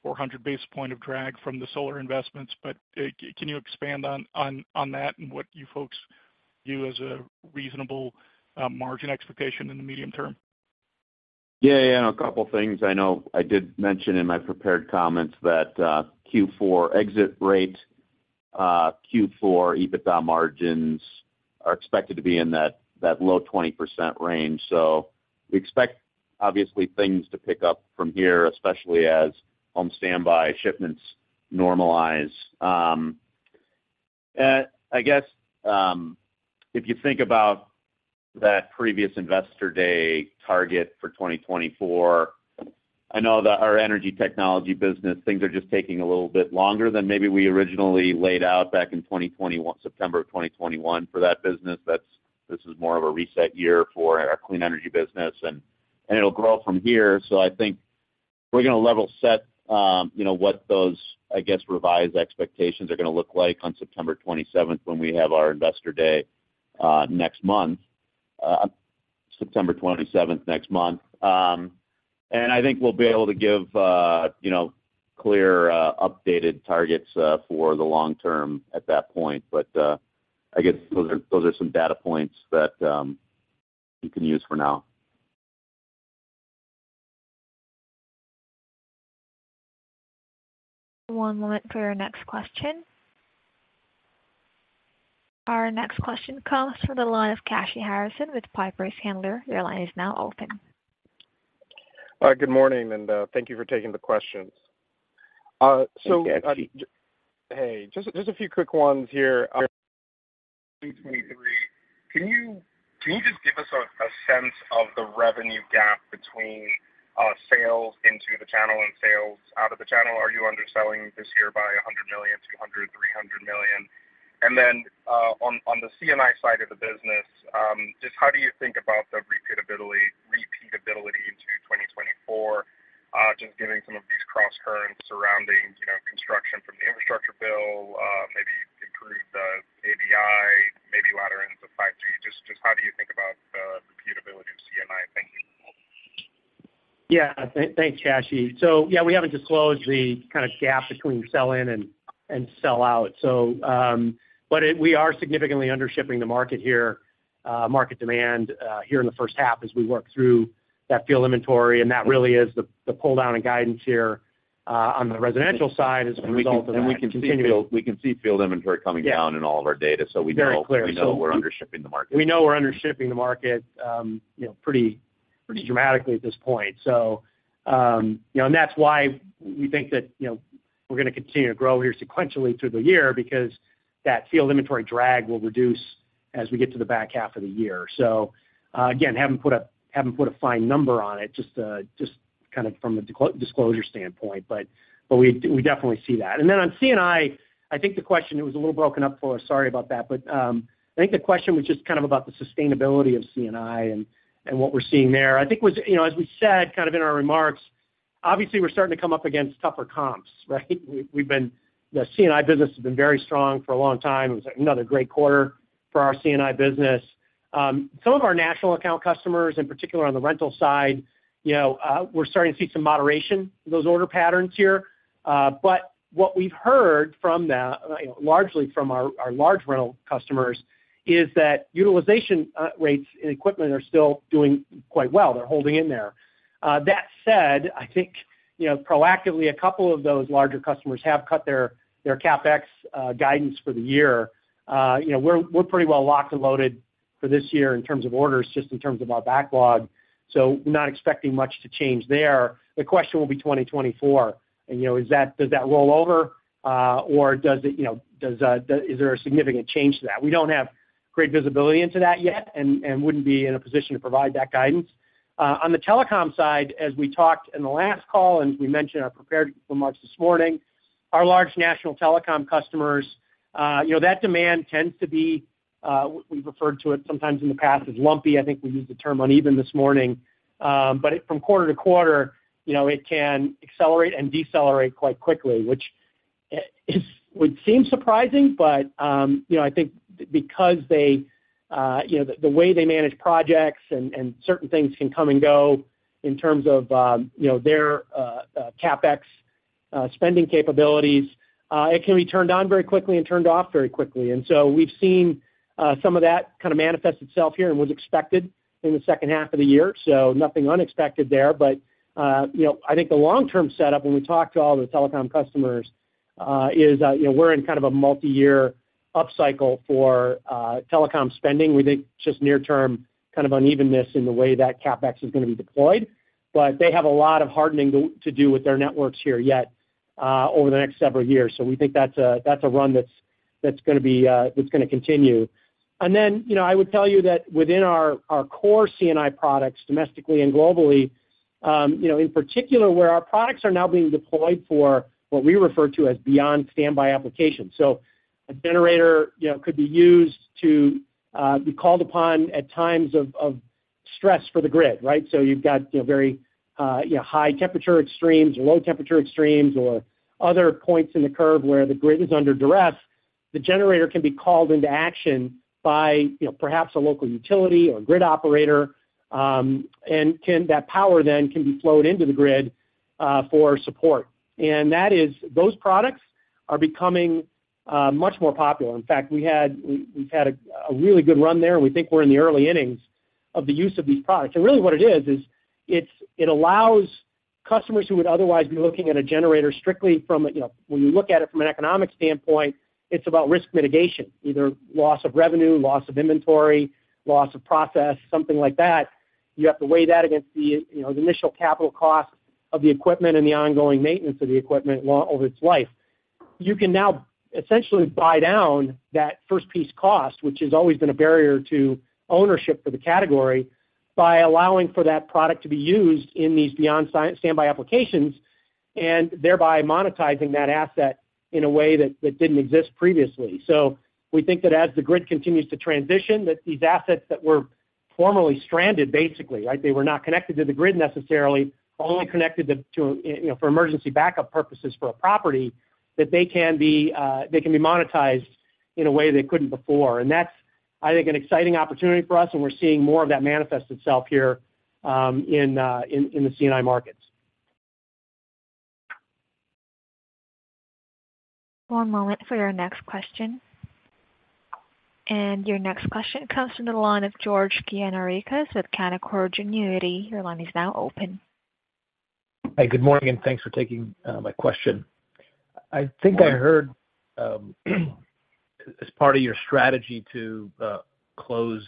400 basis point of drag from the solar investments, but can you expand on that and what you folks view as a reasonable margin expectation in the medium term? Yeah, yeah, a couple of things. I know I did mention in my prepared comments that Q4 exit rate, Q4 EBITDA margins are expected to be in that, that low 20% range. We expect, obviously, things to pick up from here, especially as Home Standby shipments normalize. I guess, if you think about that previous Investor Day target for 2024, I know that our energy technology business, things are just taking a little bit longer than maybe we originally laid out back in 2021, September of 2021 for that business. This is more of a reset year for our clean energy business, and, and it'll grow from here. I think we're going to level set, you know, what those, I guess, revised expectations are going to look like on September 27 when we have our Investor Day next month, September 27, next month. I think we'll be able to give, you know, clear, updated targets for the long term at that point. I guess those are, those are some data points that you can use for now. One moment for your next question. Our next question comes from the line of Kashy Harrison with Piper Sandler. Your line is now open. Good morning, and thank you for taking the questions. Hey, Kashy. Hey, just, just a few quick ones here. 2023, can you, can you just give us a, a sense of the revenue gap between sales into the channel and sales out of the channel? Are you underselling this year by $100 million, $200 million, $300 million? On, on the C&I side of the business, just how do you think about the repeatability into 2024? Just giving some of these crosscurrents surrounding, you know, construction from the infrastructure bill, maybe improved, ADI, maybe latter ends of five three. Just, just how do you think about the repeatability of C&I? Thank you. Yeah. Thanks, Kashy. Yeah, we haven't disclosed the kind of gap between sell-in and sell-out. But we are significantly undershipping the market here, market demand here in the first half as we work through that field inventory, and that really is the, the pull-down in guidance here on the residential side as a result of that. We can see field, we can see field inventory coming down in all of our data. Very clear. We know, we know we're undershipping the market. We know we're undershipping the market, you know, pretty, pretty dramatically at this point. You know, that's why we think that, you know, we're going to continue to grow here sequentially through the year, because that field inventory drag will reduce as we get to the back half of the year. Again, haven't put a haven't put a fine number on it, just kind of from a disclosure standpoint, but we, we definitely see that. On C&I, I think the question, it was a little broken up for us. Sorry about that. I think the question was just kind of about the sustainability of C&I and, and what we're seeing there. I think was, you know, as we said, kind of in our remarks, obviously, we're starting to come up against tougher comps, right? We've been the C&I business has been very strong for a long time. It was another great quarter for our C&I business. Some of our national account customers, in particular on the rental side, you know, we're starting to see some moderation in those order patterns here. What we've heard from the, you know, largely from our, our large rental customers, is that utilization rates and equipment are still doing quite well. They're holding in there. That said, I think, you know, proactively, a couple of those larger customers have cut their CapEx guidance for the year. You know, we're pretty well locked and loaded for this year in terms of orders, just in terms of our backlog, so we're not expecting much to change there. The question will be 2024, and, you know, is that-- does that roll over, or does it, you know, does, is there a significant change to that? We don't have great visibility into that yet and wouldn't be in a position to provide that guidance. On the telecom side, as we talked in the last call, and as we mentioned in our prepared remarks this morning, our large national telecom customers, you know, that demand tends to be, we referred to it sometimes in the past as lumpy. I think we used the term uneven this morning. From quarter-to-quarter, you know, it can accelerate and decelerate quite quickly, which is, would seem surprising, you know, I think because they, you know, the way they manage projects and, and certain things can come and go in terms of, you know, their CapEx spending capabilities, it can be turned on very quickly and turned off very quickly. We've seen some of that kind of manifest itself here and was expected in the second half of the year, so nothing unexpected there. You know, I think the long-term setup when we talk to all the telecom customers, is, you know, we're in kind of a multiyear upcycle for telecom spending. We think just near term, kind of unevenness in the way that CapEx is going to be deployed. They have a lot of hardening to, to do with their networks here yet, over the next several years. We think that's a, that's a run that's, that's gonna be, that's gonna continue. Then, you know, I would tell you that within our, our core C&I products, domestically and globally, you know, in particular, where our products are now being deployed for what we refer to as beyond standby applications. A generator, you know, could be used to be called upon at times of, of stress for the grid, right? You've got, you know, very, you know, high temperature extremes or low temperature extremes, or other points in the curve where the grid is under duress. The generator can be called into action by, you know, perhaps a local utility or grid operator, and that power then can be flowed into the grid for support. That is, those products are becoming much more popular. In fact, we've had a really good run there, and we think we're in the early innings of the use of these products. Really what it is, is it allows customers who would otherwise be looking at a generator strictly from a, you know, when you look at it from an economic standpoint, it's about risk mitigation, either loss of revenue, loss of inventory, loss of process, something like that. You have to weigh that against the, you know, the initial capital cost of the equipment and the ongoing maintenance of the equipment over its life. You can now essentially buy down that first piece cost, which has always been a barrier to ownership for the category, by allowing for that product to be used in these beyond standby applications, and thereby monetizing that asset in a way that, that didn't exist previously. We think that as the grid continues to transition, that these assets that were formerly stranded, basically, right, they were not connected to the grid necessarily, only connected to, you know, for emergency backup purposes for a property, that they can be, they can be monetized in a way they couldn't before. That's, I think, an exciting opportunity for us, and we're seeing more of that manifest itself here, in the C&I markets. One moment for your next question. Your next question comes from the line of George Gianarikas with Canaccord Genuity. Your line is now open. Hi, good morning, thanks for taking my question. I think I heard, as part of your strategy to close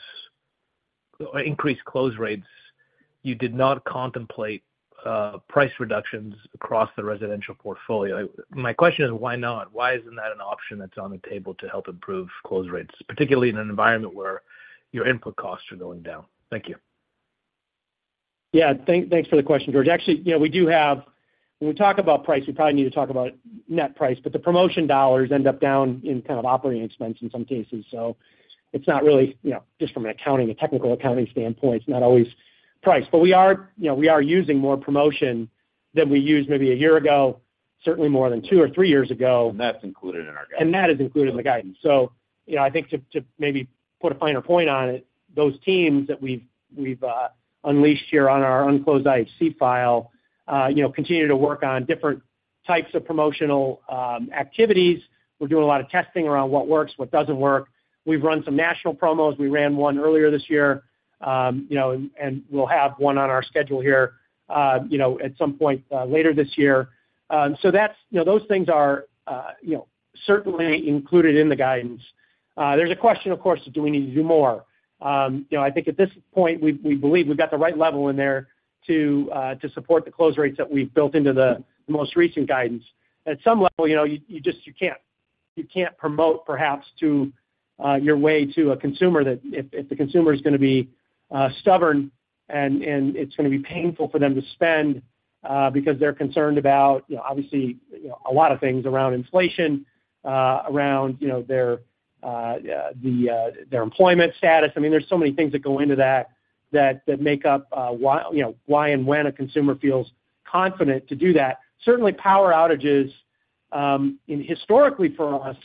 or increase close rates, you did not contemplate price reductions across the residential portfolio. My question is, why not? Why isn't that an option that's on the table to help improve close rates, particularly in an environment where your input costs are going down? Thank you. Yeah, thank, thanks for the question, George. Actually, you know, we do have when we talk about price, we probably need to talk about net price, but the promotion dollars end up down in kind of operating expense in some cases. It's not really, you know, just from an accounting, a technical accounting standpoint, it's not always price. We are, you know, we are using more promotion than we used maybe a year ago, certainly more than two or three years ago. That's included in our guidance. That is included in the guidance. You know, I think to, to maybe put a finer point on it, those teams that we've, we've unleashed here on our unclosed IHC file, you know, continue to work on different types of promotional activities. We're doing a lot of testing around what works, what doesn't work. We've run some national promos. We ran one earlier this year, you know, and, and we'll have one on our schedule here, you know, at some point later this year. That's, you know, those things are, you know, certainly included in the guidance. There's a question, of course, do we need to do more? You know, I think at this point, we, we believe we've got the right level in there to support the close rates that we've built into the, the most recent guidance. At some level, you know, you, you just, you can't, you can't promote, perhaps, to your way to a consumer that if, if the consumer is gonna be stubborn and, and it's gonna be painful for them to spend because they're concerned about, you know, obviously, you know, a lot of things around inflation, around, you know, their, the, their employment status. I mean, there's so many things that go into that, that, that make up why, you know, why and when a consumer feels confident to do that. Certainly, power outages, and historically for us,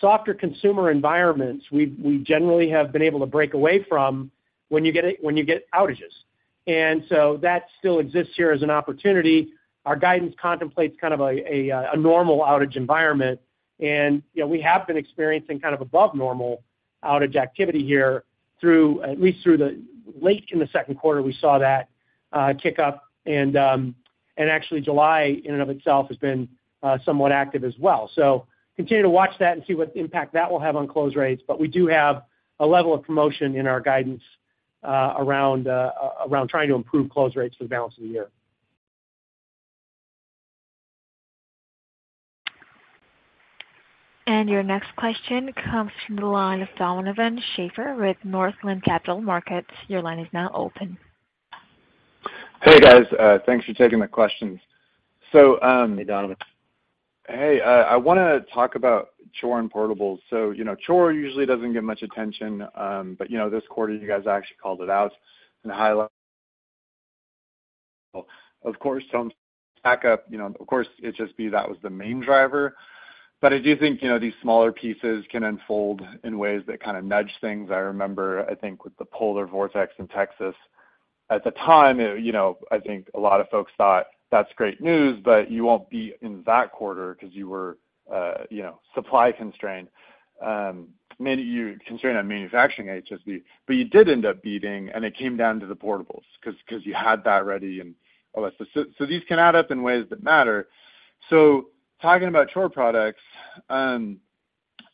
softer consumer environments, we generally have been able to break away from when you get outages. So that still exists here as an opportunity. Our guidance contemplates kind of a, a normal outage environment. You know, we have been experiencing kind of above normal outage activity here through, at least through the late in the second quarter, we saw that kick up and actually July in and of itself has been somewhat active as well. Continue to watch that and see what impact that will have on close rates, but we do have a level of promotion in our guidance, around trying to improve close rates for the balance of the year. Your next question comes from the line of Donovan Schafer with Northland Capital Markets. Your line is now open. Hey, guys, thanks for taking the questions. Hey, Donovan. Hey, I want to talk about Chore and portables. You know, Chore usually doesn't get much attention, but, you know, this quarter, you guys actually called it out and highlighted... Of course, some backup, you know, of course, HSB, that was the main driver. I do think, you know, these smaller pieces can unfold in ways that kind of nudge things. I remember, I think, with the polar vortex in Texas. At the time, you know, I think a lot of folks thought, that's great news, but you won't be in that quarter because you were, you know, supply constrained. Maybe you're constrained on manufacturing HSB, but you did end up beating, and it came down to the portables because, because you had that ready and all that. These can add up in ways that matter. Talking about chore products, you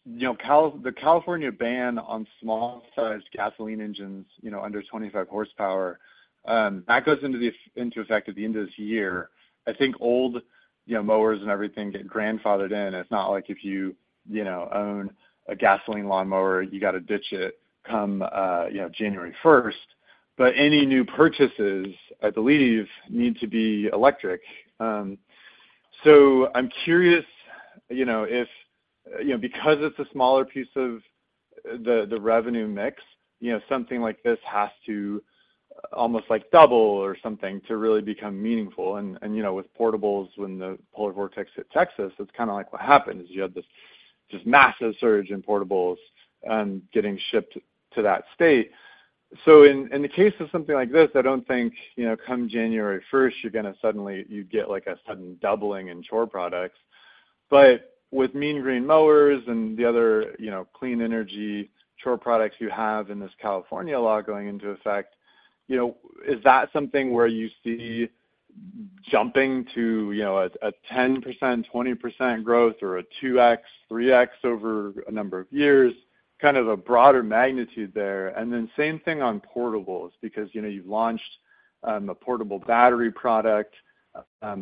know, California, the California ban on small-sized gasoline engines, you know, under 25 horsepower, that goes into effect at the end of this year. I think old, you know, mowers and everything get grandfathered in. It's not like if you, you know, own a gasoline lawnmower, you got to ditch it come, you know, January 1st. Any new purchases, I believe, need to be electric. I'm curious, you know, if, you know, because it's a smaller piece of the, the revenue mix, you know, something like this has to almost like double or something to really become meaningful. You know, with portables, when the polar vortex hit Texas, it's kind of like what happened is you had this just massive surge in portables, getting shipped to that state. In, in the case of something like this, I don't think, you know, come January 1st, you're going to suddenly get like a sudden doubling in Chore products. But with Mean Green Mowers and the other, you know, clean energy Chore products you have in this California law going into effect, you know, is that something where you see jumping to, you know, a 10%, 20% growth or a 2x, 3x over a number of years, kind of a broader magnitude there? Same thing on portables, because, you know, you've launched a portable battery product,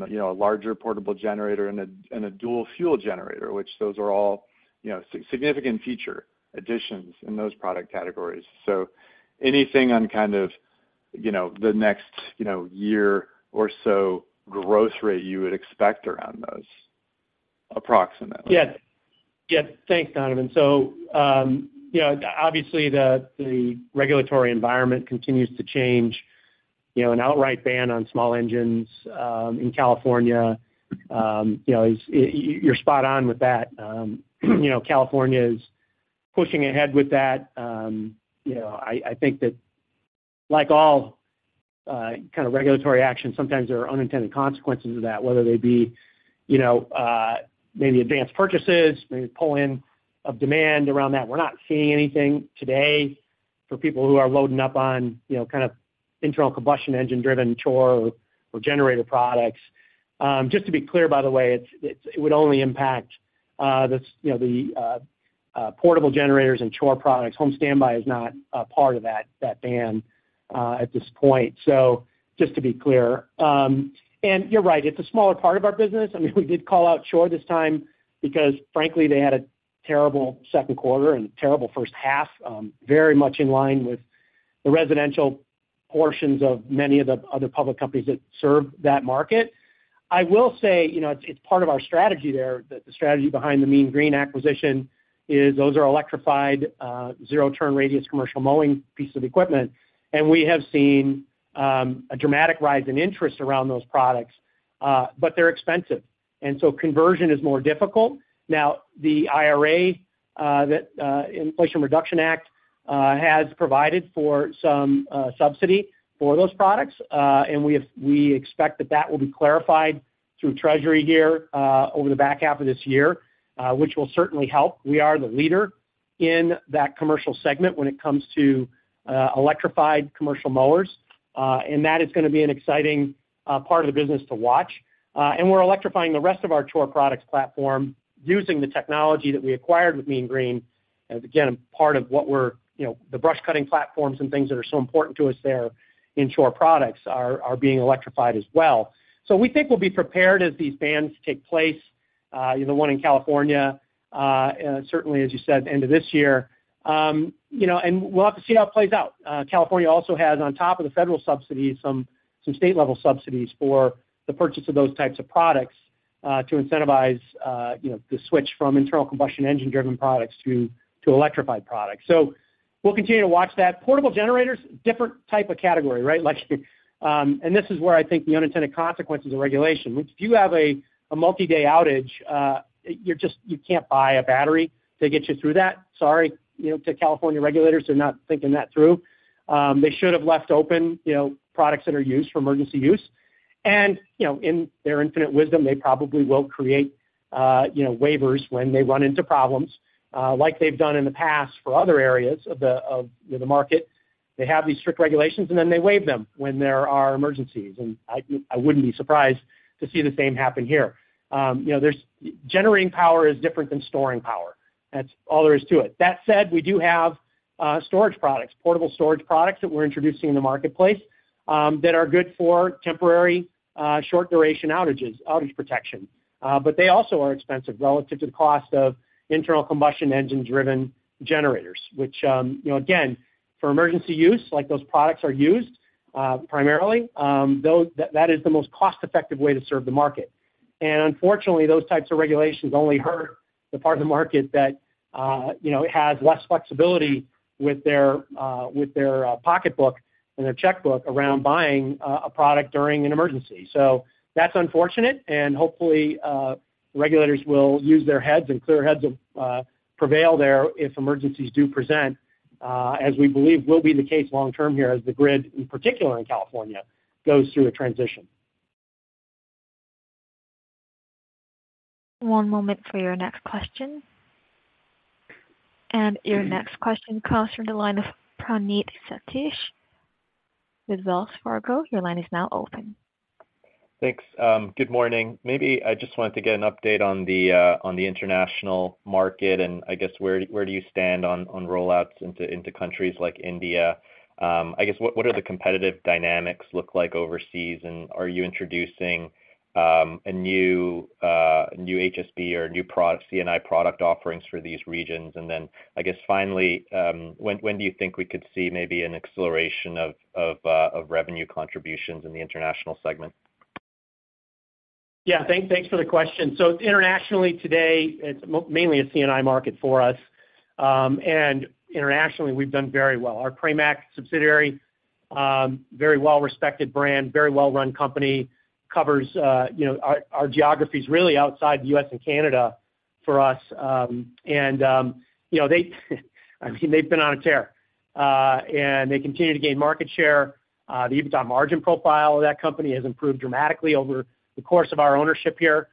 you know, a larger portable generator and a, and a dual fuel generator, which those are all, you know, significant feature additions in those product categories. Anything on kind of, you know, the next, you know, year or so growth rate you would expect around those, approximately? Yes. Yes, thanks, Donovan. You know, obviously, the regulatory environment continues to change. You know, an outright ban on small engines in California, you know, you're spot on with that. You know, California is pushing ahead with that. You know, I, I think that like all kind of regulatory action, sometimes there are unintended consequences of that, whether they be, you know, maybe advanced purchases, maybe pull-in of demand around that. We're not seeing anything today for people who are loading up on, you know, kind of internal combustion engine-driven Chore products or generator products. Just to be clear, by the way, it would only impact the, you know, the portable generators and Chore products. Home Standby is not a part of that, that ban at this point. Just to be clear. You're right, it's a smaller part of our business. I mean, we did call out Chore this time because, frankly, they had a terrible second quarter and terrible first half, very much in line with the residential portions of many of the other public companies that serve that market. I will say, you know, it's, it's part of our strategy there, that the strategy behind the Mean Green acquisition is those are electrified, zero-turn radius, commercial mowing piece of equipment. We have seen a dramatic rise in interest around those products, but they're expensive, and so conversion is more difficult. The IRA, that Inflation Reduction Act, has provided for some subsidy for those products, and we expect that that will be clarified through treasury here over the back half of this year, which will certainly help. We are the leader in that commercial segment when it comes to electrified commercial mowers, and that is going to be an exciting part of the business to watch. We're electrifying the rest of our chore products platform using the technology that we acquired with Mean Green. Again, part of what you know, the brush cutting platforms and things that are so important to us there in chore products are being electrified as well. We think we'll be prepared as these bans take place, the one in California, certainly, as you said, end of this year. You know, and we'll have to see how it plays out. California also has, on top of the federal subsidies, some, some state-level subsidies for the purchase of those types of products, to incentivize, you know, the switch from internal combustion engine-driven products to, to electrified products. We'll continue to watch that. Portable generators, different type of category, right? Like, and this is where I think the unintended consequences of regulation, which if you have a, a multi-day outage, you're just, you can't buy a battery to get you through that. Sorry, you know, to California regulators for not thinking that through. They should have left open, you know, products that are used for emergency use.... You know, in their infinite wisdom, they probably will create, you know, waivers when they run into problems, like they've done in the past for other areas of the market. They have these strict regulations, and then they waive them when there are emergencies, and I, I wouldn't be surprised to see the same happen here. You know, generating power is different than storing power. That's all there is to it. That said, we do have storage products, portable storage products that we're introducing in the marketplace, that are good for temporary, short duration outages, outage protection. But they also are expensive relative to the cost of internal combustion engine-driven generators, which, you know, again, for emergency use, like those products are used primarily, those that, that is the most cost-effective way to serve the market. Unfortunately, those types of regulations only hurt the part of the market that, you know, has less flexibility with their, with their, pocketbook and their checkbook around buying a product during an emergency. That's unfortunate, and hopefully, regulators will use their heads, and clear heads of prevail there if emergencies do present, as we believe will be the case long term here, as the grid, in particular in California, goes through a transition. One moment for your next question. Your next question comes from the line of Praneeth Satish with Wells Fargo. Your line is now open. Thanks. Good morning. Maybe I just wanted to get an update on the on the international market, and I guess, where, where do you stand on, on rollouts into, into countries like India? I guess, what, what are the competitive dynamics look like overseas, and are you introducing a new HSB or new pro- C&I product offerings for these regions? I guess, finally, when, when do you think we could see maybe an acceleration of of revenue contributions in the International segment? Yeah, thanks for the question. Internationally today, it's mainly a C&I market for us. Internationally, we've done very well. Our Pramac subsidiary, very well-respected brand, very well-run company, covers, you know, our geographies really outside the U.S. and Canada for us. You know, they, I mean, they've been on a tear. They continue to gain market share. The EBITDA margin profile of that company has improved dramatically over the course of our ownership here,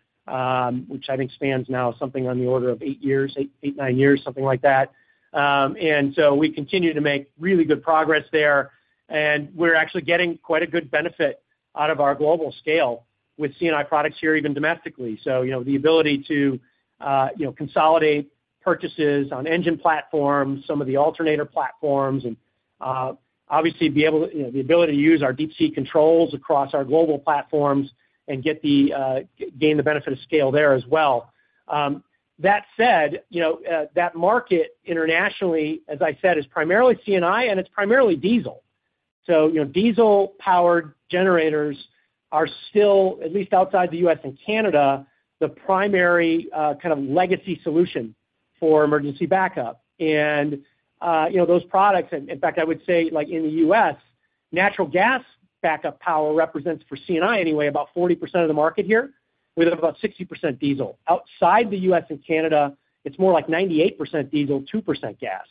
which I think spans now something on the order of eight years, eight to nine years, something like that. We continue to make really good progress there, and we're actually getting quite a good benefit out of our global scale with C&I products here, even domestically. You know, the ability to, you know, consolidate purchases on engine platforms, some of the alternator platforms, and obviously be able to, you know, the ability to use our Deep Sea controls across our global platforms and get the gain the benefit of scale there as well. That said, you know, that market internationally, as I said, is primarily C&I, and it's primarily diesel. You know, diesel-powered generators are still, at least outside the U.S. and Canada, the primary kind of legacy solution for emergency backup. You know, those products, and in fact, I would say, like in the U.S., natural gas backup power represents, for C&I anyway, about 40% of the market here, with about 60% diesel. Outside the U.S. and Canada, it's more like 98% diesel, 2% gas.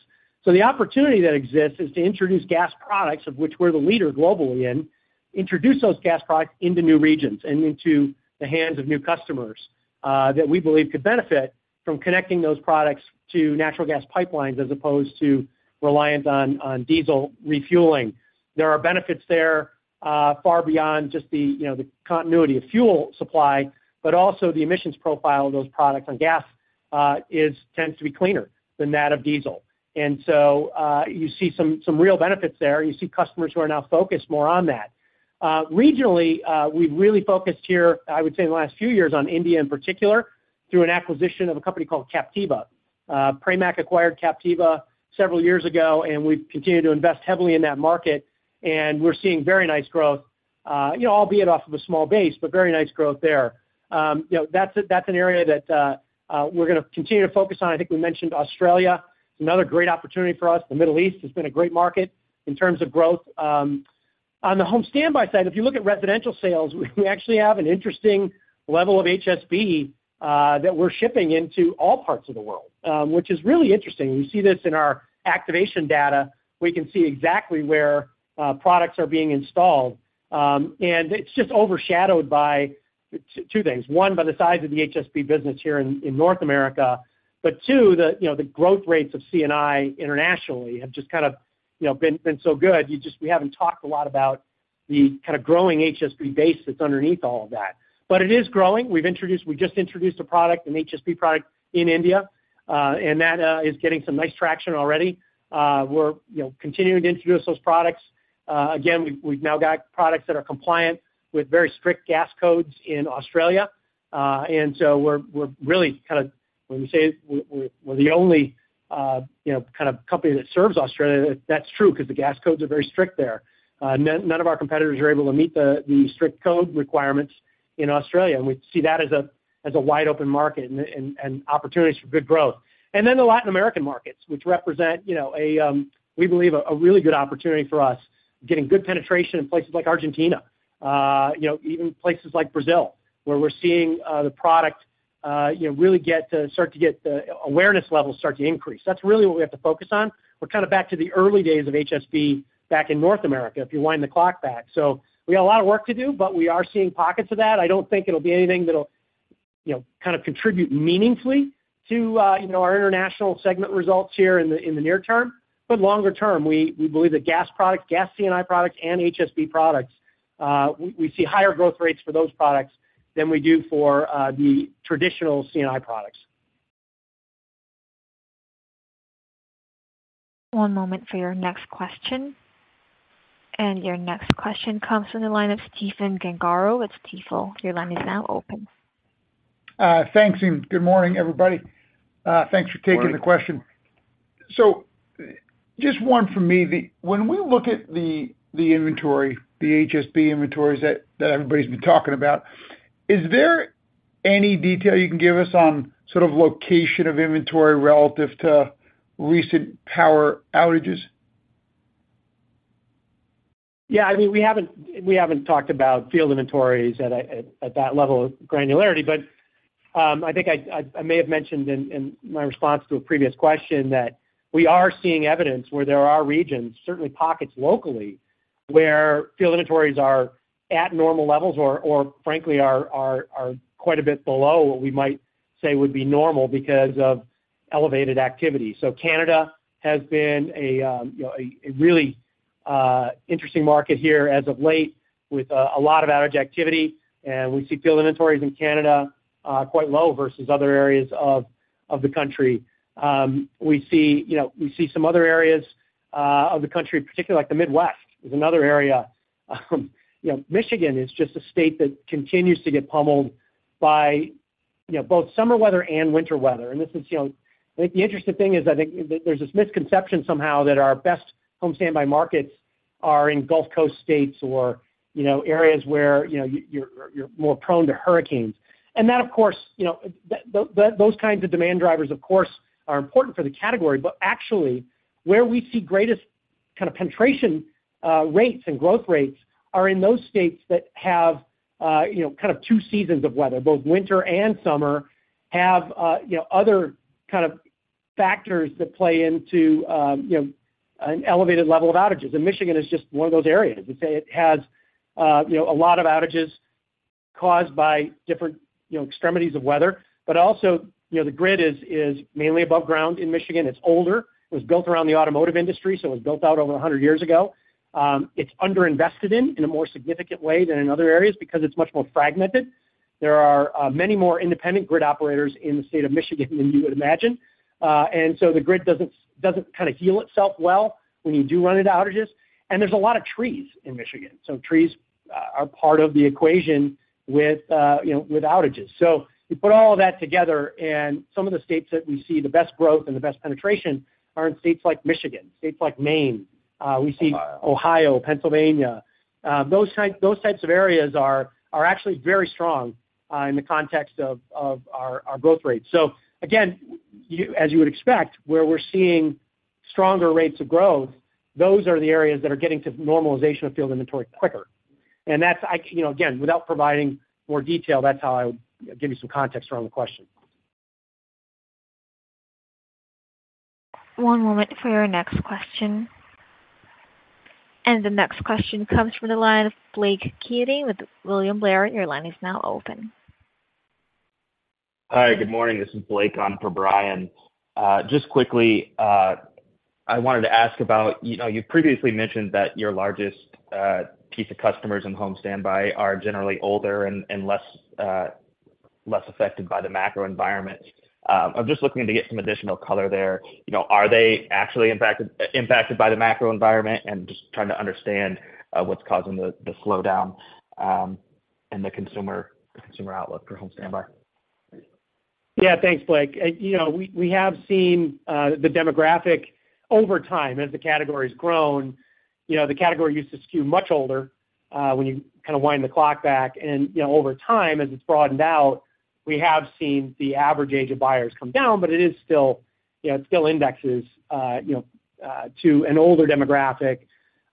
The opportunity that exists is to introduce gas products, of which we're the leader globally in, introduce those gas products into new regions and into the hands of new customers that we believe could benefit from connecting those products to natural gas pipelines as opposed to reliant on, on diesel refueling. There are benefits there far beyond just the, you know, the continuity of fuel supply, but also the emissions profile of those products on gas tends to be cleaner than that of diesel. You see some, some real benefits there, and you see customers who are now focused more on that. Regionally, we've really focused here, I would say in the last few years, on India in particular, through an acquisition of a company called Captiva. Pramac acquired Captiva several years ago, and we've continued to invest heavily in that market, and we're seeing very nice growth. You know, albeit off of a small base, but very nice growth there. You know, that's a, that's an area that we're gonna continue to focus on. I think we mentioned Australia, another great opportunity for us. The Middle East has been a great market in terms of growth. On the Home Standby side, if you look at residential sales, we actually have an interesting level of HSB that we're shipping into all parts of the world, which is really interesting. We see this in our activation data. We can see exactly where products are being installed. And it's just overshadowed by two things. One, by the size of the HSB business here in, in North America. Two, the, you know, the growth rates of C&I internationally have just kind of, you know, been, been so good, you just, we haven't talked a lot about the kind of growing HSB base that's underneath all of that. It is growing. We've introduced, we just introduced a product, an HSB product in India, and that is getting some nice traction already. We're, you know, continuing to introduce those products. Again, we've, we've now got products that are compliant with very strict gas codes in Australia. We're, we're really kind of, when we say we're, we're the only, you know, kind of company that serves Australia, that's true, because the gas codes are very strict there. None, none of our competitors are able to meet the, the strict code requirements in Australia, and we see that as a, as a wide-open market and, and, and opportunities for good growth. Then the Latin American markets, which represent, you know, a, we believe a, a really good opportunity for us, getting good penetration in places like Argentina. You know, even places like Brazil, where we're seeing, the product... you know, really get to, start to get the awareness levels start to increase. That's really what we have to focus on. We're kind of back to the early days of HSB back in North America, if you wind the clock back. We got a lot of work to do, but we are seeing pockets of that. I don't think it'll be anything that'll, you know, kind of contribute meaningfully to, you know, our International segment results here in the, in the near term. Longer term, we, we believe that gas products, gas C&I products, and HSB products, we, we see higher growth rates for those products than we do for the traditional C&I products. One moment for your next question. Your next question comes from the line of Stephen Gengaro with Stifel. Your line is now open. Thanks, and good morning, everybody. Thanks for taking the question. Good morning. Just one for me. When we look at the inventory, the HSB inventories everybody's been talking about, is there any detail you can give us on sort of location of inventory relative to recent power outages? Yeah, I mean, we haven't, we haven't talked about field inventories at a, at, at that level of granularity. I think I, I, I may have mentioned in, in my response to a previous question that we are seeing evidence where there are regions, certainly pockets locally, where field inventories are at normal levels, or, or frankly, are, are, are quite a bit below what we might say would be normal because of elevated activity. Canada has been a, you know, a, a really interesting market here as of late with a lot of outage activity, and we see field inventories in Canada quite low versus other areas of, of the country. We see, you know, we see some other areas of the country, particularly like the Midwest, is another area. You know, Michigan is just a state that continues to get pummeled by, you know, both summer weather and winter weather. This is, you know... I think the interesting thing is, I think there, there's this misconception somehow that our best Home Standby markets are in Gulf Coast states or, you know, areas where, you know, you're, you're more prone to hurricanes. That, of course, you know, that, those kinds of demand drivers, of course, are important for the category, but actually, where we see greatest kind of penetration rates and growth rates are in those states that have, you know, kind of two seasons of weather. Both winter and summer have, you know, other kind of factors that play into, you know, an elevated level of outages, and Michigan is just one of those areas. Let's say it has, you know, a lot of outages caused by different, you know, extremities of weather. Also, you know, the grid is, is mainly above ground in Michigan. It's older. It was built around the automotive industry, so it was built out over 100 years ago. It's underinvested in, in a more significant way than in other areas because it's much more fragmented. There are many more independent grid operators in the state of Michigan than you would imagine. So the grid doesn't, doesn't kind of heal itself well when you do run into outages. There's a lot of trees in Michigan, so trees are part of the equation with, you know, with outages. You put all of that together, and some of the states that we see the best growth and the best penetration are in states like Michigan, states like Maine. Ohio. Ohio, Pennsylvania. Those type, those types of areas are actually very strong in the context of our growth rates. Again, as you would expect, where we're seeing stronger rates of growth, those are the areas that are getting to normalization of field inventory quicker. That's, you know, again, without providing more detail, that's how I would give you some context around the question. One moment for your next question. The next question comes from the line of Blake Keating with William Blair. Your line is now open. Hi, good morning. This is Blake on for Brian. Just quickly, I wanted to ask about, you know, you've previously mentioned that your largest piece of customers in Home Standby are generally older and, and less, less affected by the macro environment. I'm just looking to get some additional color there. You know, are they actually impacted, impacted by the macro environment? Just trying to understand what's causing the, the slowdown, in the consumer, the consumer outlook for Home Standby. Yeah, thanks, Blake. You know, we, we have seen the demographic over time as the category's grown. You know, the category used to skew much older when you kind of wind the clock back. You know, over time, as it's broadened out, we have seen the average age of buyers come down, but it is still, you know, it still indexes, you know, to an older demographic.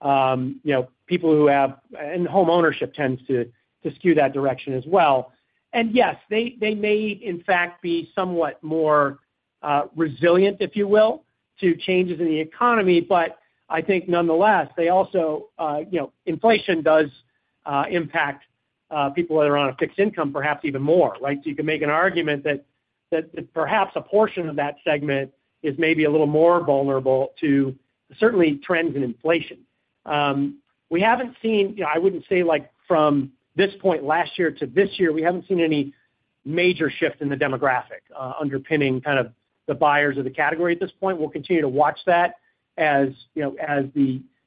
You know, people who have and homeownership tends to, to skew that direction as well. Yes, they, they may, in fact, be somewhat more resilient, if you will, to changes in the economy. I think nonetheless, they also, you know, inflation does impact people that are on a fixed income, perhaps even more. Right? You can make an argument that, that perhaps a portion of that segment is maybe a little more vulnerable to certainly trends in inflation. We haven't seen. You know, I wouldn't say like from this point last year to this year, we haven't seen any major shifts in the demographic, underpinning kind of the buyers of the category at this point. We'll continue to watch that, as, you know,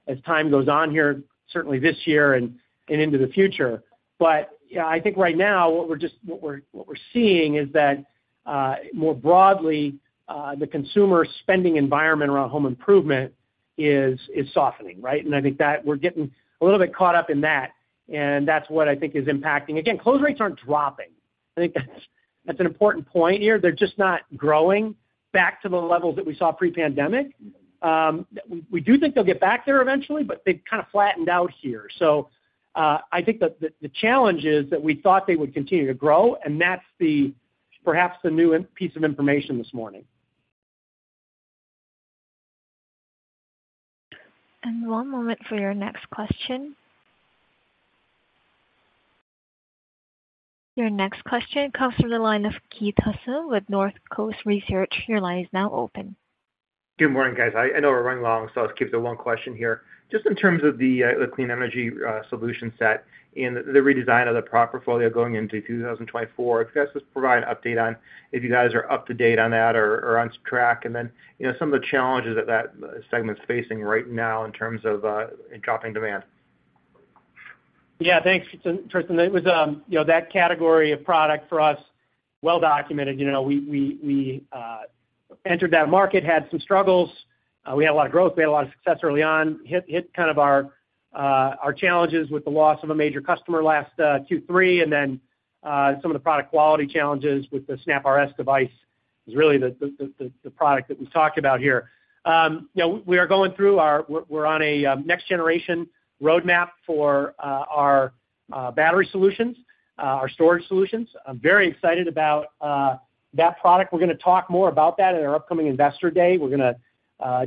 as time goes on here, certainly this year and, and into the future. Yeah, I think right now, what we're, what we're seeing is that, more broadly, the consumer spending environment around home improvement is, is softening, right? And I think that we're getting a little bit caught up in that, and that's what I think is impacting. Again, close rates aren't dropping. I think that's, that's an important point here. They're just not growing back to the levels that we saw pre-pandemic. We, we do think they'll get back there eventually, but they've kind of flattened out here. I think that the challenge is that we thought they would continue to grow, and that's perhaps the new piece of information this morning. One moment for your next question. Your next question comes from the line of Keith Housum with Northcoast Research. Your line is now open. Good morning, guys. I, I know we're running long, so I'll keep it to one question here. Just in terms of the clean energy solution set and the redesign of the product portfolio going into 2024, if you guys could just provide an update on if you guys are up to date on that or on track, and then, you know, some of the challenges that that segment's facing right now in terms of in dropping demand? Yeah, thanks, Keith. It was, you know, that category of product for us, well documented. You know, we, we, we entered that market, had some struggles. We had a lot of growth. We had a lot of success early on. Hit kind of our challenges with the loss of a major customer last Q3, and then some of the product quality challenges with the SnapRS device is really the product that we talked about here. You know, we are going through our. We're on a next generation roadmap for our battery solutions, our storage solutions. I'm very excited about that product. We're gonna talk more about that in our upcoming Investor Day. We're gonna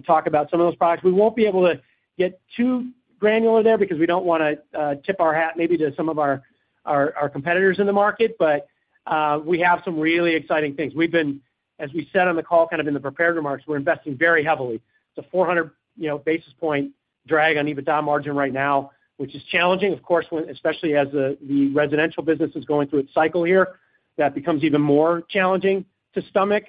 talk about some of those products. We won't be able to get too granular there because we don't wanna tip our hat maybe to some of our, our, our competitors in the market. We have some really exciting things. We've been as we said on the call, kind of in the prepared remarks, we're investing very heavily. It's a 400, you know, basis point drag on EBITDA margin right now, which is challenging. Of course, when especially as the, the residential business is going through its cycle here, that becomes even more challenging to stomach.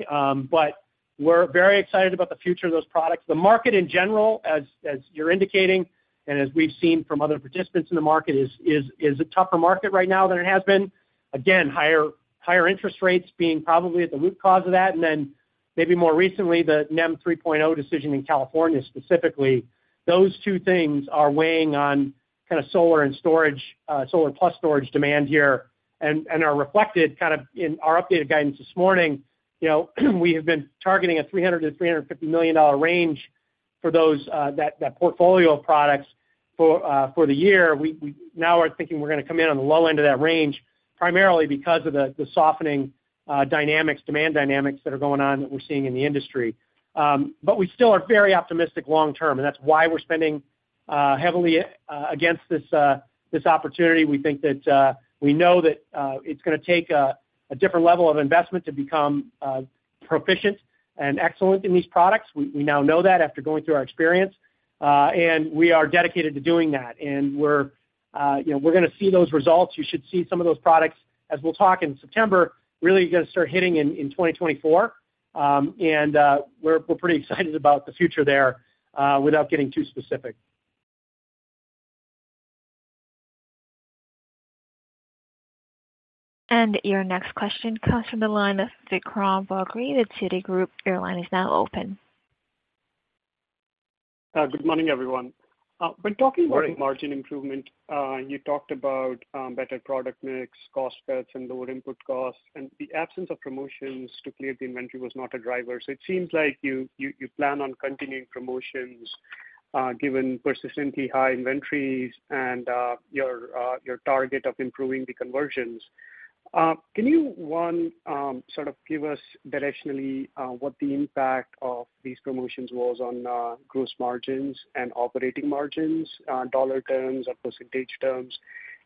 We're very excited about the future of those products. The market in general, as, as you're indicating, and as we've seen from other participants in the market, is, is, is a tougher market right now than it has been. Again, higher, higher interest rates being probably at the root cause of that, and then maybe more recently, the NEM 3.0 decision in California, specifically. Those two things are weighing on kind of solar and storage, solar plus storage demand here, and, and are reflected kind of in our updated guidance this morning. You know, we have been targeting a $300 million-$350 million range for those, that, that portfolio of products for, for the year. We, we now are thinking we're gonna come in on the low end of that range, primarily because of the, the softening, dynamics, demand dynamics that are going on, that we're seeing in the industry. We still are very optimistic long term, and that's why we're spending, heavily, against this, this opportunity. We think that, we know that, it's gonna take a, a different level of investment to become proficient and excellent in these products. We, we now know that after going through our experience, and we are dedicated to doing that. And we're, you know, we're gonna see those results. You should see some of those products, as we'll talk in September, really gonna start hitting in, in 2024. And we're, we're pretty excited about the future there, without getting too specific. Your next question comes from the line of Vikram Bagri with Citigroup. Your line is now open. Good morning, everyone. When talking about- Morning... margin improvement, you talked about, better product mix, cost cuts, and lower input costs, and the absence of promotions to clear the inventory was not a driver. It seems like you, you, you plan on continuing promotions, given persistently high inventories and your target of improving the conversions. Can you, one, sort of give us directionally, what the impact of these promotions was on gross margins and operating margins, dollar terms or percentage terms?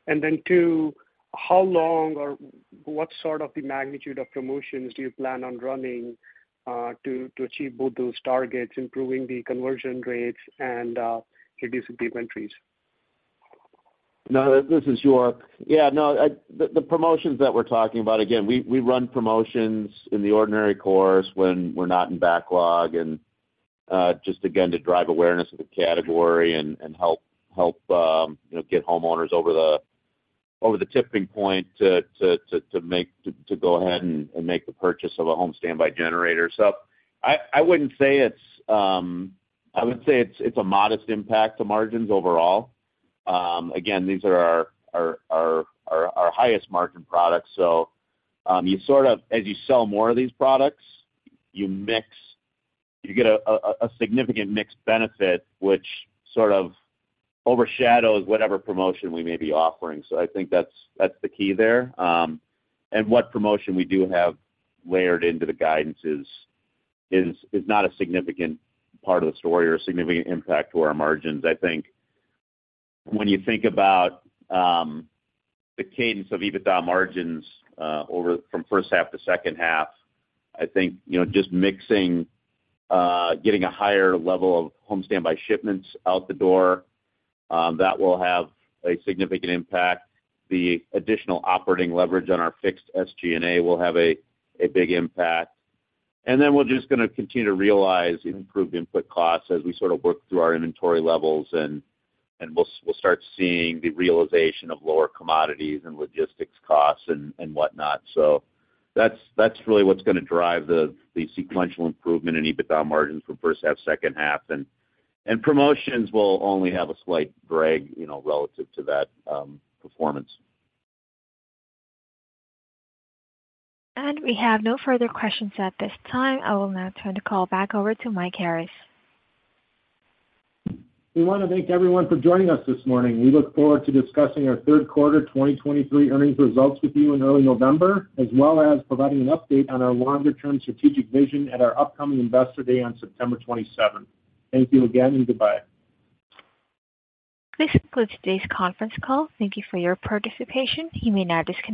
Then, two, how long or what sort of the magnitude of promotions do you plan on running, to, to achieve both those targets, improving the conversion rates and reducing the inventories? No, this is York. Yeah, no, the promotions that we're talking about, again, we, we run promotions in the ordinary course when we're not in backlog, and just again, to drive awareness of the category and help, help, you know, get homeowners over the, over the tipping point to go ahead and make the purchase of a Home Standby generator. I, I wouldn't say it's. I would say it's a modest impact to margins overall. Again, these are our highest margin products, so you sort of, as you sell more of these products, you mix, you get a significant mixed benefit, which sort of overshadows whatever promotion we may be offering. I think that's, that's the key there. What promotion we do have layered into the guidance is, is, is not a significant part of the story or a significant impact to our margins. I think when you think about the cadence of EBITDA margins over from first half to second half, I think, you know, just mixing, getting a higher level of Home Standby shipments out the door, that will have a significant impact. The additional operating leverage on our fixed SG&A will have a, a big impact. Then we're just gonna continue to realize improved input costs as we sort of work through our inventory levels, and, and we'll, we'll start seeing the realization of lower commodities and logistics costs and, and what not. That's, that's really what's gonna drive the, the sequential improvement in EBITDA margins from first half, second half, and, and promotions will only have a slight drag, you know, relative to that performance. We have no further questions at this time. I will now turn the call back over to Mike Harris. We want to thank everyone for joining us this morning. We look forward to discussing our third quarter 2023 earnings results with you in early November, as well as providing an update on our longer-term strategic vision at our upcoming Investor Day on September 27th. Thank you again, and goodbye. This concludes today's conference call. Thank you for your participation. You may now disconnect.